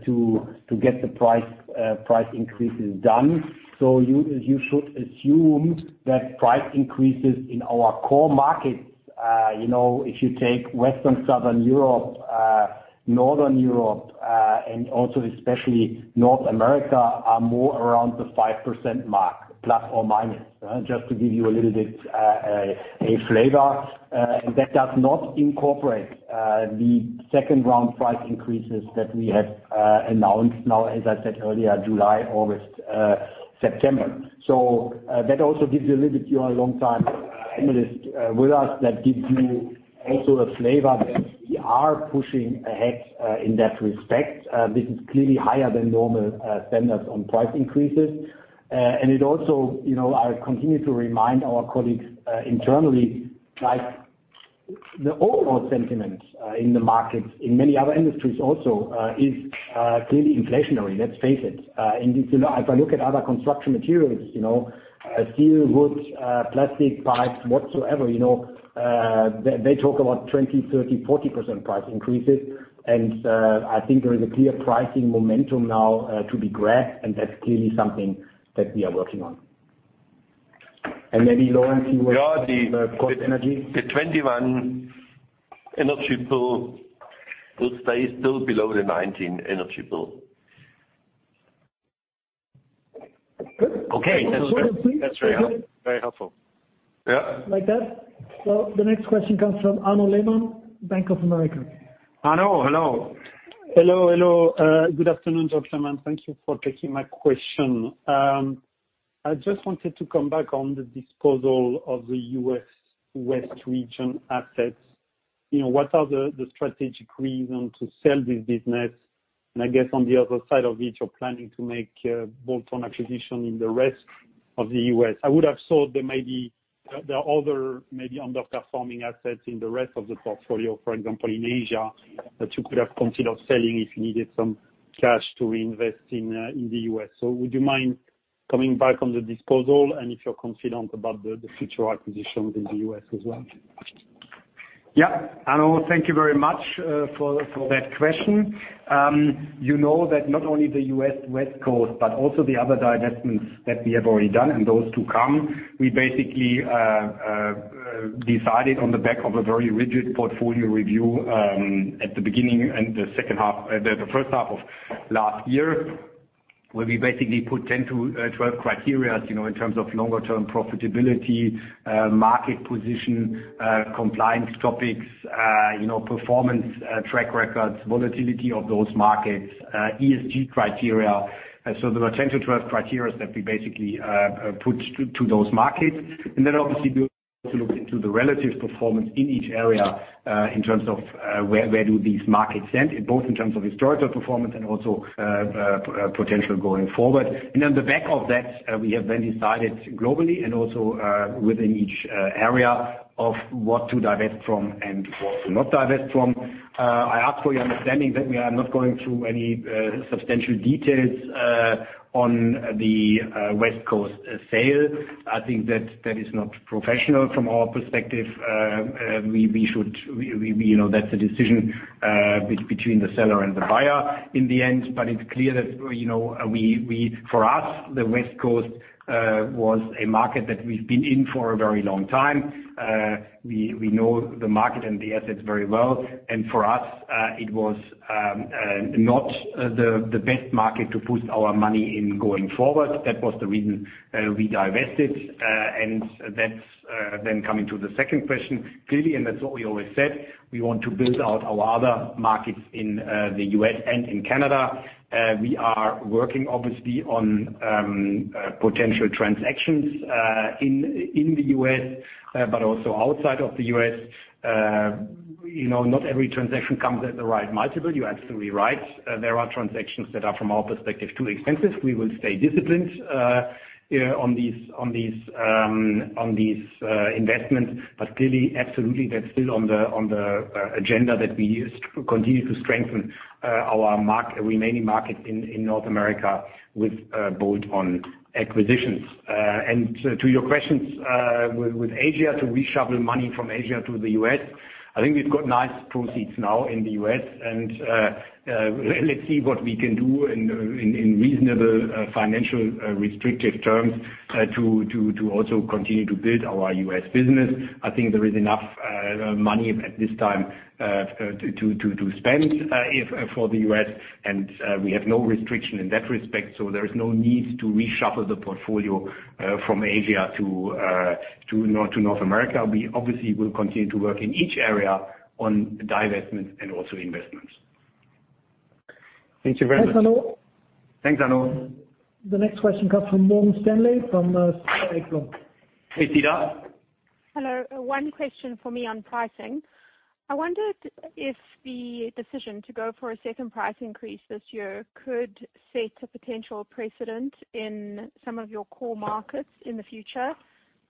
Speaker 3: to get the price increases done. You should assume that price increases in our core markets, if you take Western, Southern Europe, Northern Europe, and also especially North America, are more around the 5% mark, ±, just to give you a little bit a flavor. That does not incorporate the second round price increases that we have announced now, as I said earlier, July, August, September. That also gives you a little bit, you are a long time analyst with us, that gives you also a flavor that we are pushing ahead in that respect. This is clearly higher than normal standards on price increases. I continue to remind our colleagues internally, the overall sentiment in the markets, in many other industries also, is clearly inflationary. Let's face it. If I look at other construction materials, steel, wood, plastic pipes, whatsoever, they talk about 20%, 30%, 40% price increases. I think there is a clear pricing momentum now to be grabbed, and that's clearly something that we are working on. Maybe Lorenz, you want to comment on the cost energy?
Speaker 4: The 2021 energy bill will stay still below the 2019 energy bill.
Speaker 10: Good.
Speaker 3: Okay.
Speaker 10: That's very helpful.
Speaker 3: Yeah.
Speaker 2: Like that? The next question comes from Arnaud Lehmann, Bank of America.
Speaker 3: Arnaud, hello.
Speaker 11: Hello. Good afternoon, gentlemen. Thank you for taking my question. I just wanted to come back on the disposal of the U.S. West region assets. What are the strategic reasons to sell this business? I guess on the other side of it, you're planning to make bolt-on acquisition in the rest of the U.S. I would have thought there are other maybe underperforming assets in the rest of the portfolio, for example, in Asia, that you could have considered selling if you needed some cash to reinvest in the U.S. Would you mind coming back on the disposal and if you're confident about the future acquisitions in the U.S. as well?
Speaker 3: Yeah. Arnaud, thank you very much for that question. You know that not only the U.S. West Coast, but also the other divestments that we have already done and those to come, we basically decided on the back of a very rigid portfolio review at the beginning and the first half of last year, where we basically put 10-12 criteria, in terms of longer-term profitability, market position, compliance topics, performance track records, volatility of those markets, ESG criteria. There were 10-12 criteria that we basically put to those markets. Obviously we also looked into the relative performance in each area, in terms of where do these markets stand, both in terms of historical performance and also potential going forward. On the back of that, we have decided globally and also within each area of what to divest from and what to not divest from. I ask for your understanding that we are not going through any substantial details on the West Coast sale. I think that is not professional from our perspective. That's a decision between the seller and the buyer in the end. It's clear that for us, the West Coast was a market that we've been in for a very long time. We know the market and the assets very well, and for us, it was not the best market to put our money in going forward. That was the reason we divested. That's coming to the second question. Clearly, that's what we always said, we want to build out our other markets in the U.S. and in Canada. We are working obviously on potential transactions in the U.S., but also outside of the U.S. Not every transaction comes at the right multiple. You're absolutely right. There are transactions that are, from our perspective, too expensive. We will stay disciplined on these investments, but clearly, absolutely, that's still on the agenda that we continue to strengthen our remaining market in North America with bolt-on acquisitions. To your questions with Asia, to reshuffle money from Asia to the U.S., I think we've got nice proceeds now in the U.S., and let's see what we can do in reasonable financial restrictive terms to also continue to build our U.S. business. I think there is enough money at this time to spend for the U.S., and we have no restriction in that respect, so there is no need to reshuffle the portfolio from Asia to North America. We obviously will continue to work in each area on divestment and also investment.
Speaker 11: Thank you very much.
Speaker 3: Thanks, Arnaud.
Speaker 2: The next question comes from Morgan Stanley from Cedar Ekblom.
Speaker 3: Hey, Cedar.
Speaker 12: Hello. One question for me on pricing. I wondered if the decision to go for a second price increase this year could set a potential precedent in some of your core markets in the future.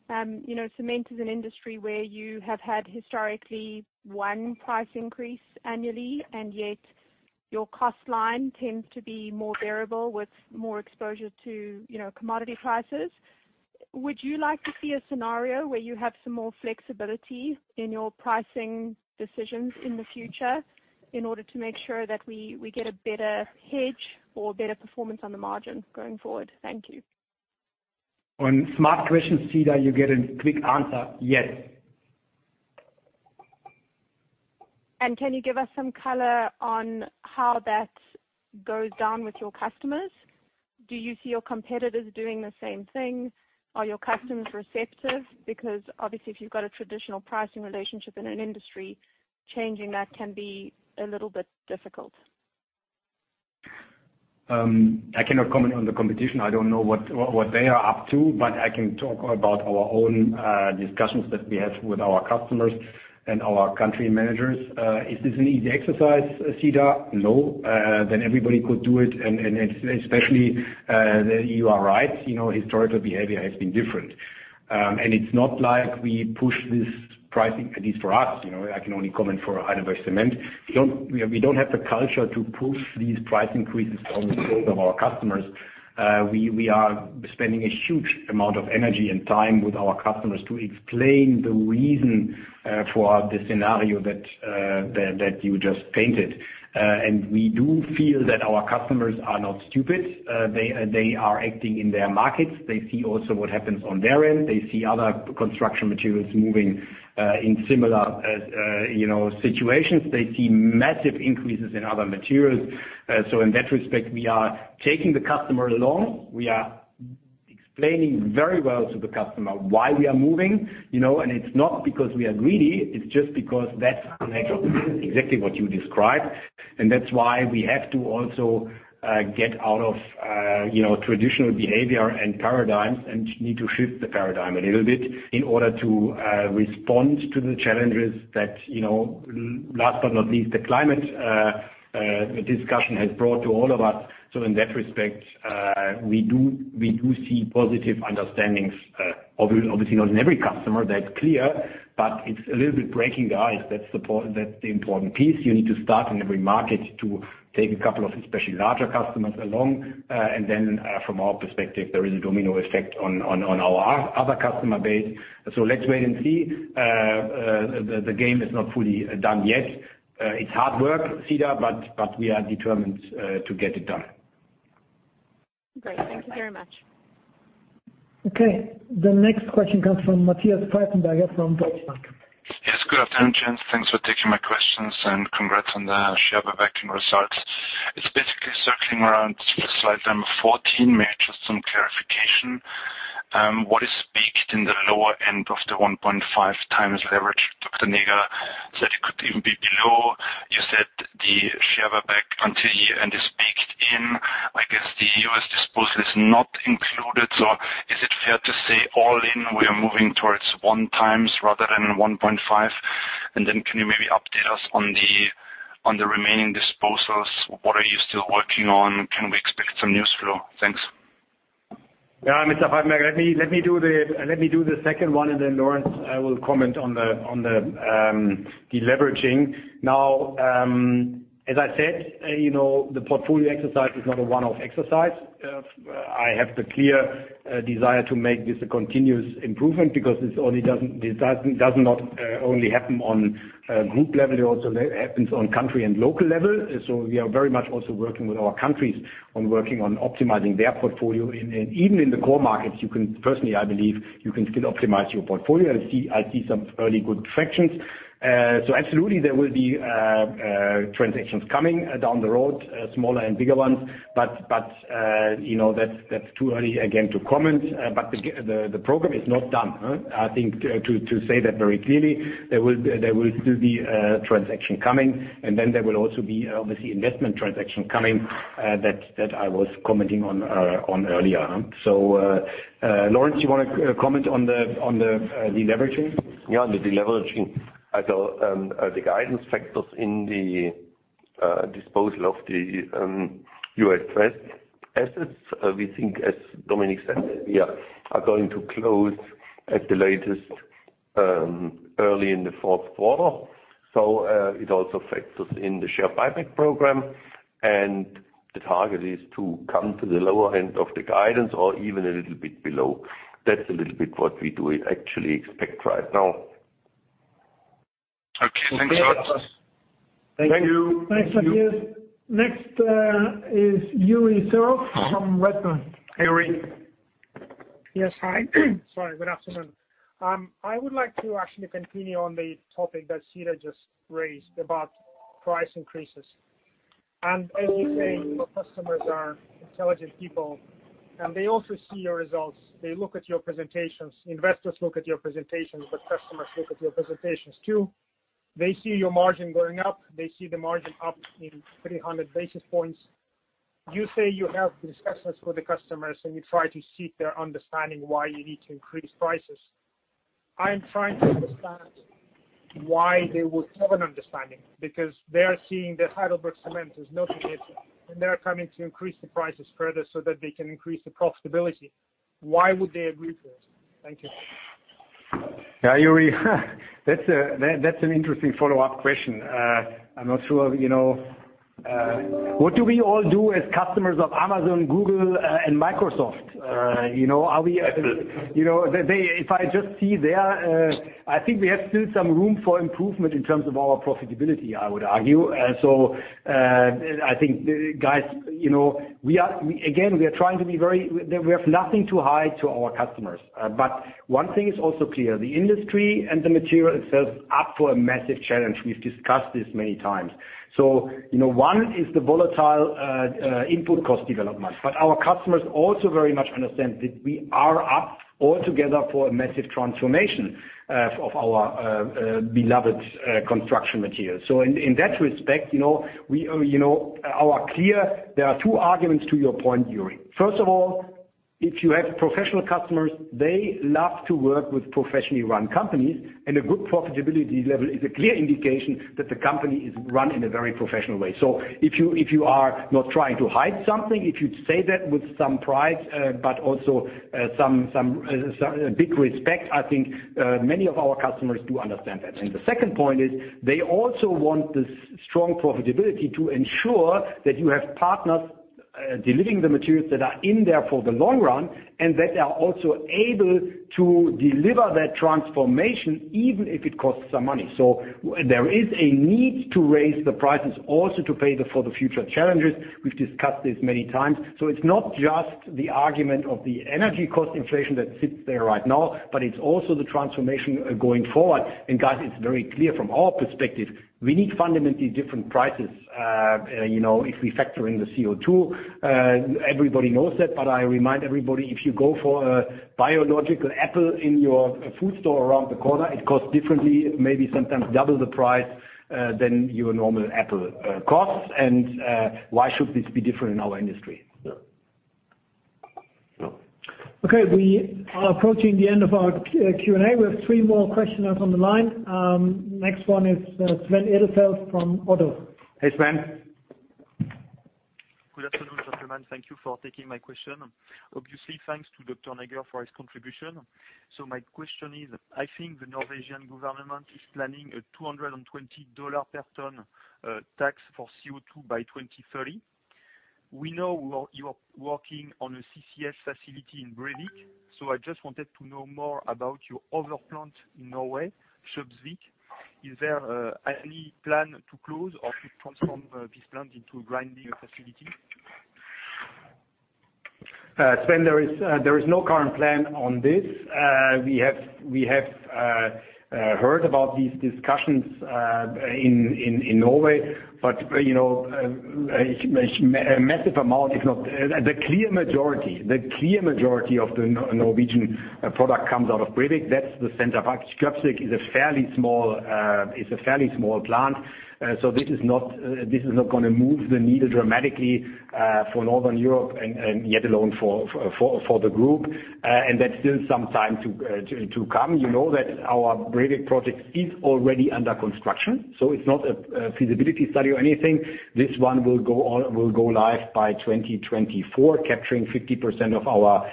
Speaker 12: Cement is an industry where you have had historically one price increase annually, and yet your cost line tends to be more variable with more exposure to commodity prices. Would you like to see a scenario where you have some more flexibility in your pricing decisions in the future in order to make sure that we get a better hedge or better performance on the margin going forward? Thank you.
Speaker 3: On smart questions, Cedar, you get a quick answer. Yes.
Speaker 12: Can you give us some color on how that goes down with your customers? Do you see your competitors doing the same thing? Are your customers receptive? Obviously if you've got a traditional pricing relationship in an industry, changing that can be a little bit difficult.
Speaker 3: I cannot comment on the competition. I don't know what they are up to, but I can talk about our own discussions that we had with our customers and our country managers. Is this an easy exercise, Cedar? No. Then everybody could do it, especially, you are right, historical behavior has been different. It's not like we push this pricing, at least for us, I can only comment for HeidelbergCement. We don't have the culture to push these price increases on the throat of our customers. We are spending a huge amount of energy and time with our customers to explain the reason for the scenario that you just painted. We do feel that our customers are not stupid. They are acting in their markets. They see also what happens on their end. They see other construction materials moving in similar situations. They see massive increases in other materials. In that respect, we are taking the customer along. We are explaining very well to the customer why we are moving. It's not because we are greedy, it's just because that's the nature of business, exactly what you described. That's why we have to also get out of traditional behavior and paradigms, and need to shift the paradigm a little bit in order to respond to the challenges that, last but not least, the climate discussion has brought to all of us. In that respect, we do see positive understandings. Obviously not in every customer, that's clear, but it's a little bit breaking the ice. That's the important piece. You need to start in every market to take a couple of especially larger customers along. Then from our perspective, there is a domino effect on our other customer base. Let's wait and see. The game is not fully done yet. It's hard work, Cedar, but we are determined to get it done.
Speaker 12: Great. Thank you very much.
Speaker 2: Okay. The next question comes from Matthias Pfeifenberger from Deutsche Bank.
Speaker 13: Yes, good afternoon, gents. Thanks for taking my questions and congrats on the share buyback results. It is basically circling around slide number 14, maybe just some clarification. What is baked in the lower end of the 1.5x leverage? Dr. Näger said it could even be below. You said the share buyback until year-end is baked in. I guess the U.S. disposal is not included. Is it fair to say all in, we are moving towards 1x rather than 1.5x? Can you maybe update us on the remaining disposals? What are you still working on? Can we expect some news flow? Thanks.
Speaker 3: Yeah, Mr. Pfeifenberger. Let me do the second one and then Lorenz will comment on the deleveraging. As I said, the portfolio exercise is not a one-off exercise. I have the clear desire to make this a continuous improvement because this does not only happen on group level, it also happens on country and local level. We are very much also working with our countries on working on optimizing their portfolio. Even in the core markets, personally, I believe you can still optimize your portfolio. I see some early good traction. Absolutely there will be transactions coming down the road, smaller and bigger ones, but that's too early, again, to comment. The program is not done. I think to say that very clearly, there will still be a transaction coming, and then there will also be obviously investment transaction coming, that I was commenting on earlier. Lorenz, you want to comment on the deleveraging?
Speaker 4: On the deleveraging. The guidance factors in the disposal of the U.S. assets, we think, as Dominik said, we are going to close at the latest, early in the fourth quarter. It also affects us in the share buyback program, and the target is to come to the lower end of the guidance or even a little bit below. That's a little bit what we do actually expect right now.
Speaker 13: Okay. Thanks a lot.
Speaker 3: Thank you.
Speaker 2: Thanks, Matthias. Next, is Yuri Serov from Redburn.
Speaker 3: Hey, Yuri.
Speaker 14: Yes. Hi. Sorry, good afternoon. I would like to actually continue on the topic that Cedar just raised about price increases. As you say, your customers are intelligent people, and they also see your results. They look at your presentations. Investors look at your presentations, but customers look at your presentations, too. They see your margin going up. They see the margin up in 300 basis points. You say you have discussions with the customers, and you try to seek their understanding why you need to increase prices. I am trying to understand why they would have an understanding, because they are seeing that HeidelbergCement is not in it, and they are coming to increase the prices further so that they can increase the profitability. Why would they agree to it? Thank you.
Speaker 3: Yeah, Yuri, that's an interesting follow-up question. I'm not sure. What do we all do as customers of Amazon, Google, and Microsoft? If I just see there, I think we have still some room for improvement in terms of our profitability, I would argue. I think, guys, again, we have nothing to hide to our customers. One thing is also clear, the industry and the material itself is up for a massive challenge. We've discussed this many times. One is the volatile input cost development, but our customers also very much understand that we are up altogether for a massive transformation of our beloved construction material. In that respect, there are two arguments to your point, Yuri. First of all, if you have professional customers, they love to work with professionally run companies, and a good profitability level is a clear indication that the company is run in a very professional way. If you are not trying to hide something, if you say that with some pride, but also some big respect, I think, many of our customers do understand that. The second point is, they also want this strong profitability to ensure that you have partners delivering the materials that are in there for the long run, and that are also able to deliver that transformation, even if it costs some money. There is a need to raise the prices also to pay for the future challenges. We've discussed this many times. It's not just the argument of the energy cost inflation that sits there right now, but it's also the transformation going forward. Guys, it's very clear from our perspective, we need fundamentally different prices if we factor in the CO2. Everybody knows that, but I remind everybody, if you go for a biological apple in your food store around the corner, it costs differently, maybe sometimes double the price than your normal apple costs. Why should this be different in our industry?
Speaker 2: Okay. We are approaching the end of our Q&A. We have three more questioners on the line. Next one is Sven Edelfelt from ODDO.
Speaker 3: Hey, Sven.
Speaker 15: Good afternoon, gentlemen. Thank you for taking my question. Obviously, thanks to Dr. Näger for his contribution. My question is, I think the Norwegian government is planning a EUR 220 per ton tax for CO2 by 2030. We know you are working on a CCS facility in Brevik, so I just wanted to know more about your other plant in Norway, Kjøpsvik. Is there any plan to close or to transform this plant into a grinding facility?
Speaker 3: Sven, there is no current plan on this. We have heard about these discussions in Norway. A massive amount, the clear majority of the Norwegian product comes out of Brevik. That's the center part. Kjøpsvik is a fairly small plant, so this is not going to move the needle dramatically for Northern Europe and yet alone for the group. That's still some time to come. You know that our Brevik project is already under construction, so it's not a feasibility study or anything. This one will go live by 2024, capturing 50% of our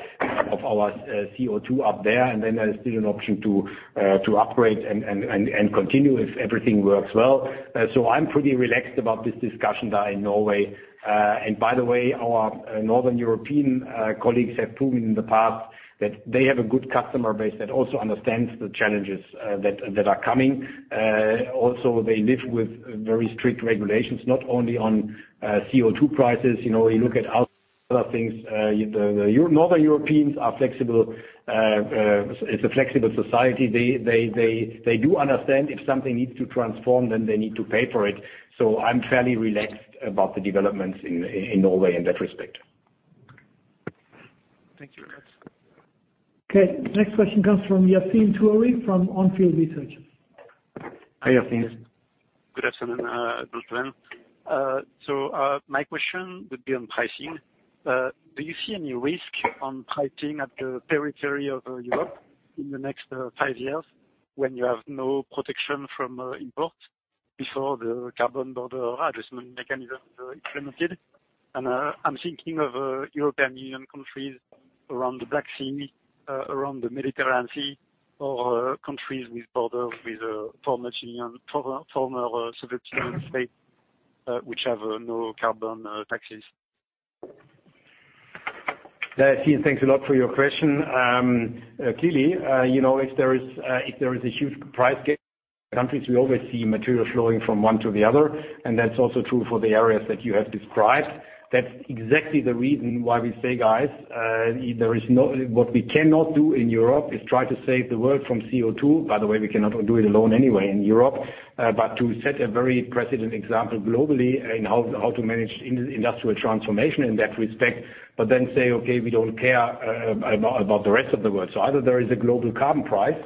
Speaker 3: CO2 up there. There is still an option to upgrade and continue if everything works well. I'm pretty relaxed about this discussion there in Norway. By the way, our Northern European colleagues have proven in the past that they have a good customer base that also understands the challenges that are coming. They live with very strict regulations, not only on CO2 prices. You look at other things. The Northern Europeans are a flexible society. They do understand if something needs to transform, then they need to pay for it. I am fairly relaxed about the developments in Norway in that respect.
Speaker 15: Thank you.
Speaker 2: Okay. Next question comes from Yassine Touahri from On Field Research.
Speaker 3: Hi, Yassine.
Speaker 16: Good afternoon, both of you. My question would be on pricing. Do you see any risk on pricing at the periphery of Europe in the next five years when you have no protection from import before the Carbon Border Adjustment Mechanism is implemented? I'm thinking of European Union countries around the Black Sea, around the Mediterranean Sea, or countries with borders with former Soviet Union states which have no carbon taxes.
Speaker 3: Yassine, thanks a lot for your question. Clearly, if there is a huge price gap between countries, we always see material flowing from one to the other, and that's also true for the areas that you have described. That's exactly the reason why we say, guys, what we cannot do in Europe is try to save the world from CO2. By the way, we cannot do it alone anyway in Europe. To set a very precedent example globally in how to manage industrial transformation in that respect, but then say, "Okay, we don't care about the rest of the world." Either there is a global carbon price,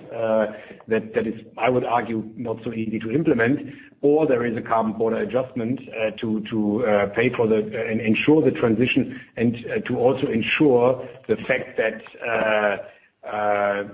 Speaker 3: that is, I would argue, not so easy to implement, or there is a Carbon Border Adjustment to pay for and ensure the transition and to also ensure the fact that there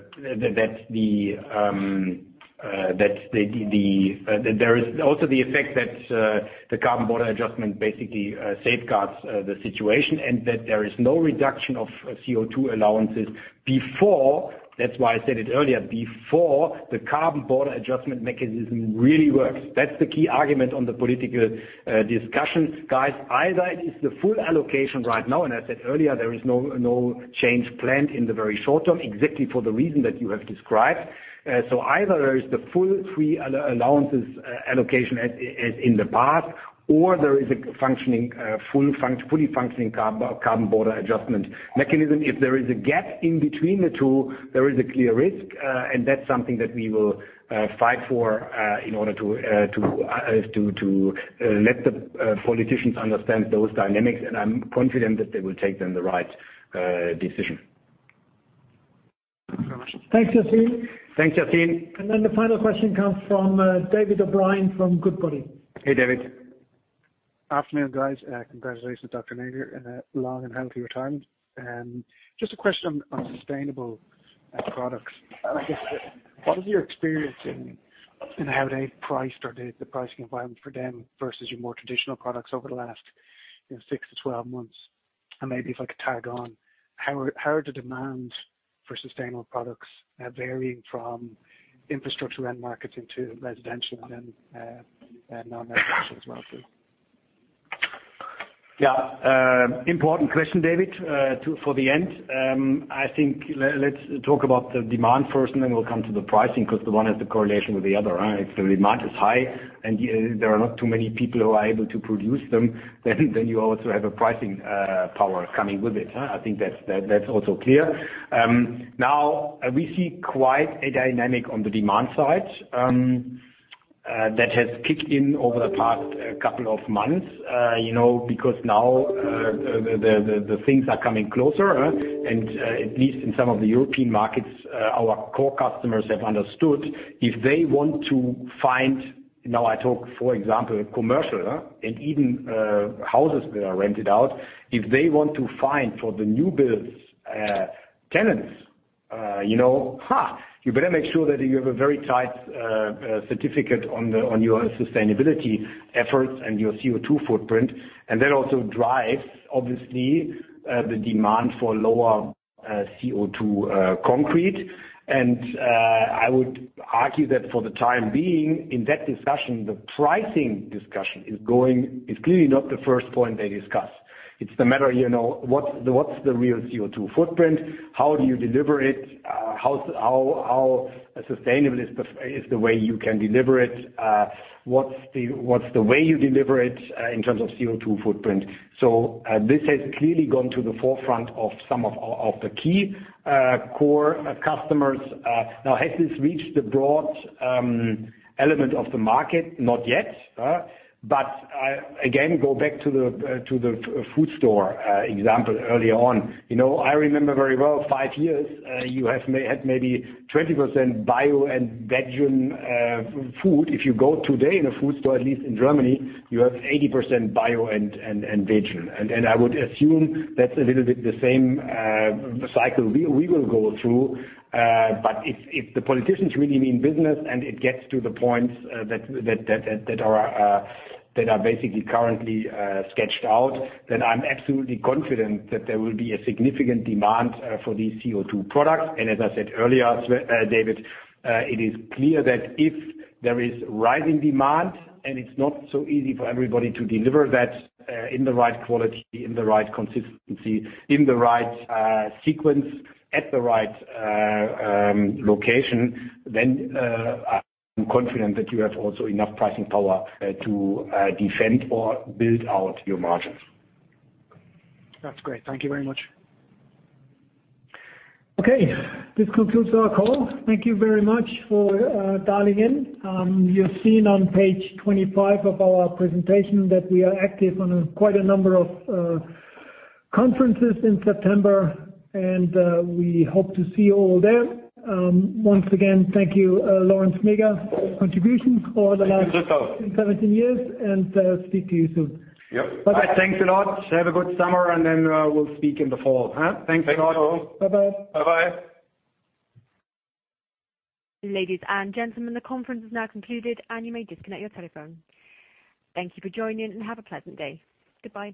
Speaker 3: is also the effect that the Carbon Border Adjustment basically safeguards the situation and that there is no reduction of CO2 allowances before, that's why I said it earlier, before the Carbon Border Adjustment Mechanism really works. That's the key argument on the political discussions. Guys, either it is the full allocation right now, and I said earlier, there is no change planned in the very short term, exactly for the reason that you have described. Either there is the full free allowances allocation as in the past, or there is a fully functioning Carbon Border Adjustment Mechanism. If there is a gap in between the two, there is a clear risk, and that's something that we will fight for in order to let the politicians understand those dynamics. I'm confident that they will take then the right decision.
Speaker 16: Thank you very much.
Speaker 2: Thanks, Yassine.
Speaker 3: Thanks, Yassine.
Speaker 2: The final question comes from David O'Brien from Goodbody.
Speaker 3: Hey, David.
Speaker 17: Afternoon, guys. Congratulations, Dr. Näger. Long and healthy retirement. Just a question on sustainable products. I guess, what is your experience in how they priced or the pricing environment for them versus your more traditional products over the last 6-12 months? Maybe if I could tag on, how are the demands for sustainable products varying from infrastructure end markets into residential and non-residential as well, too?
Speaker 3: Important question, David, for the end. I think let's talk about the demand first, and then we'll come to the pricing because the one has the correlation with the other, right? If the demand is high and there are not too many people who are able to produce them, then you also have a pricing power coming with it. I think that's also clear. We see quite a dynamic on the demand side that has kicked in over the past couple of months, because now the things are coming closer. At least in some of the European markets, our core customers have understood if they want to find, now I talk for example, commercial and even houses that are rented out, if they want to find for the new builds, tenants. You better make sure that you have a very tight certificate on your sustainability efforts and your CO2 footprint. That also drives, obviously, the demand for lower CO2 concrete. I would argue that for the time being, in that discussion, the pricing discussion is clearly not the first point they discuss. It's the matter, what's the real CO2 footprint? How do you deliver it? How sustainable is the way you can deliver it? What's the way you deliver it in terms of CO2 footprint? This has clearly gone to the forefront of some of the key core customers. Has this reached the broad element of the market? Not yet. Again, go back to the food store example earlier on. I remember very well, five years, you had maybe 20% bio and vegan food. If you go today in a food store, at least in Germany, you have 80% bio and vegan. I would assume that's a little bit the same cycle we will go through. If the politicians really mean business and it gets to the point that are basically currently sketched out, then I'm absolutely confident that there will be a significant demand for these CO2 products. As I said earlier, David, it is clear that if there is rising demand, and it's not so easy for everybody to deliver that in the right quality, in the right consistency, in the right sequence, at the right location, then I'm confident that you have also enough pricing power to defend or build out your margins.
Speaker 17: That's great. Thank you very much.
Speaker 2: Okay, this concludes our call. Thank you very much for dialing in. You've seen on page 25 of our presentation that we are active on quite a number of conferences in September, and we hope to see you all there. Once again, thank you, Lorenz Näger, for your contributions for the last-
Speaker 3: Thank you, Christoph.
Speaker 2: 17 years, and speak to you soon.
Speaker 3: Yep.
Speaker 2: Bye-bye.
Speaker 3: Thanks a lot. Have a good summer, and then we'll speak in the fall. Thanks a lot.
Speaker 2: Thanks all. Bye-bye.
Speaker 3: Bye-bye.
Speaker 1: Ladies and gentlemen, the conference is now concluded, and you may disconnect your telephone. Thank you for joining, and have a pleasant day. Goodbye.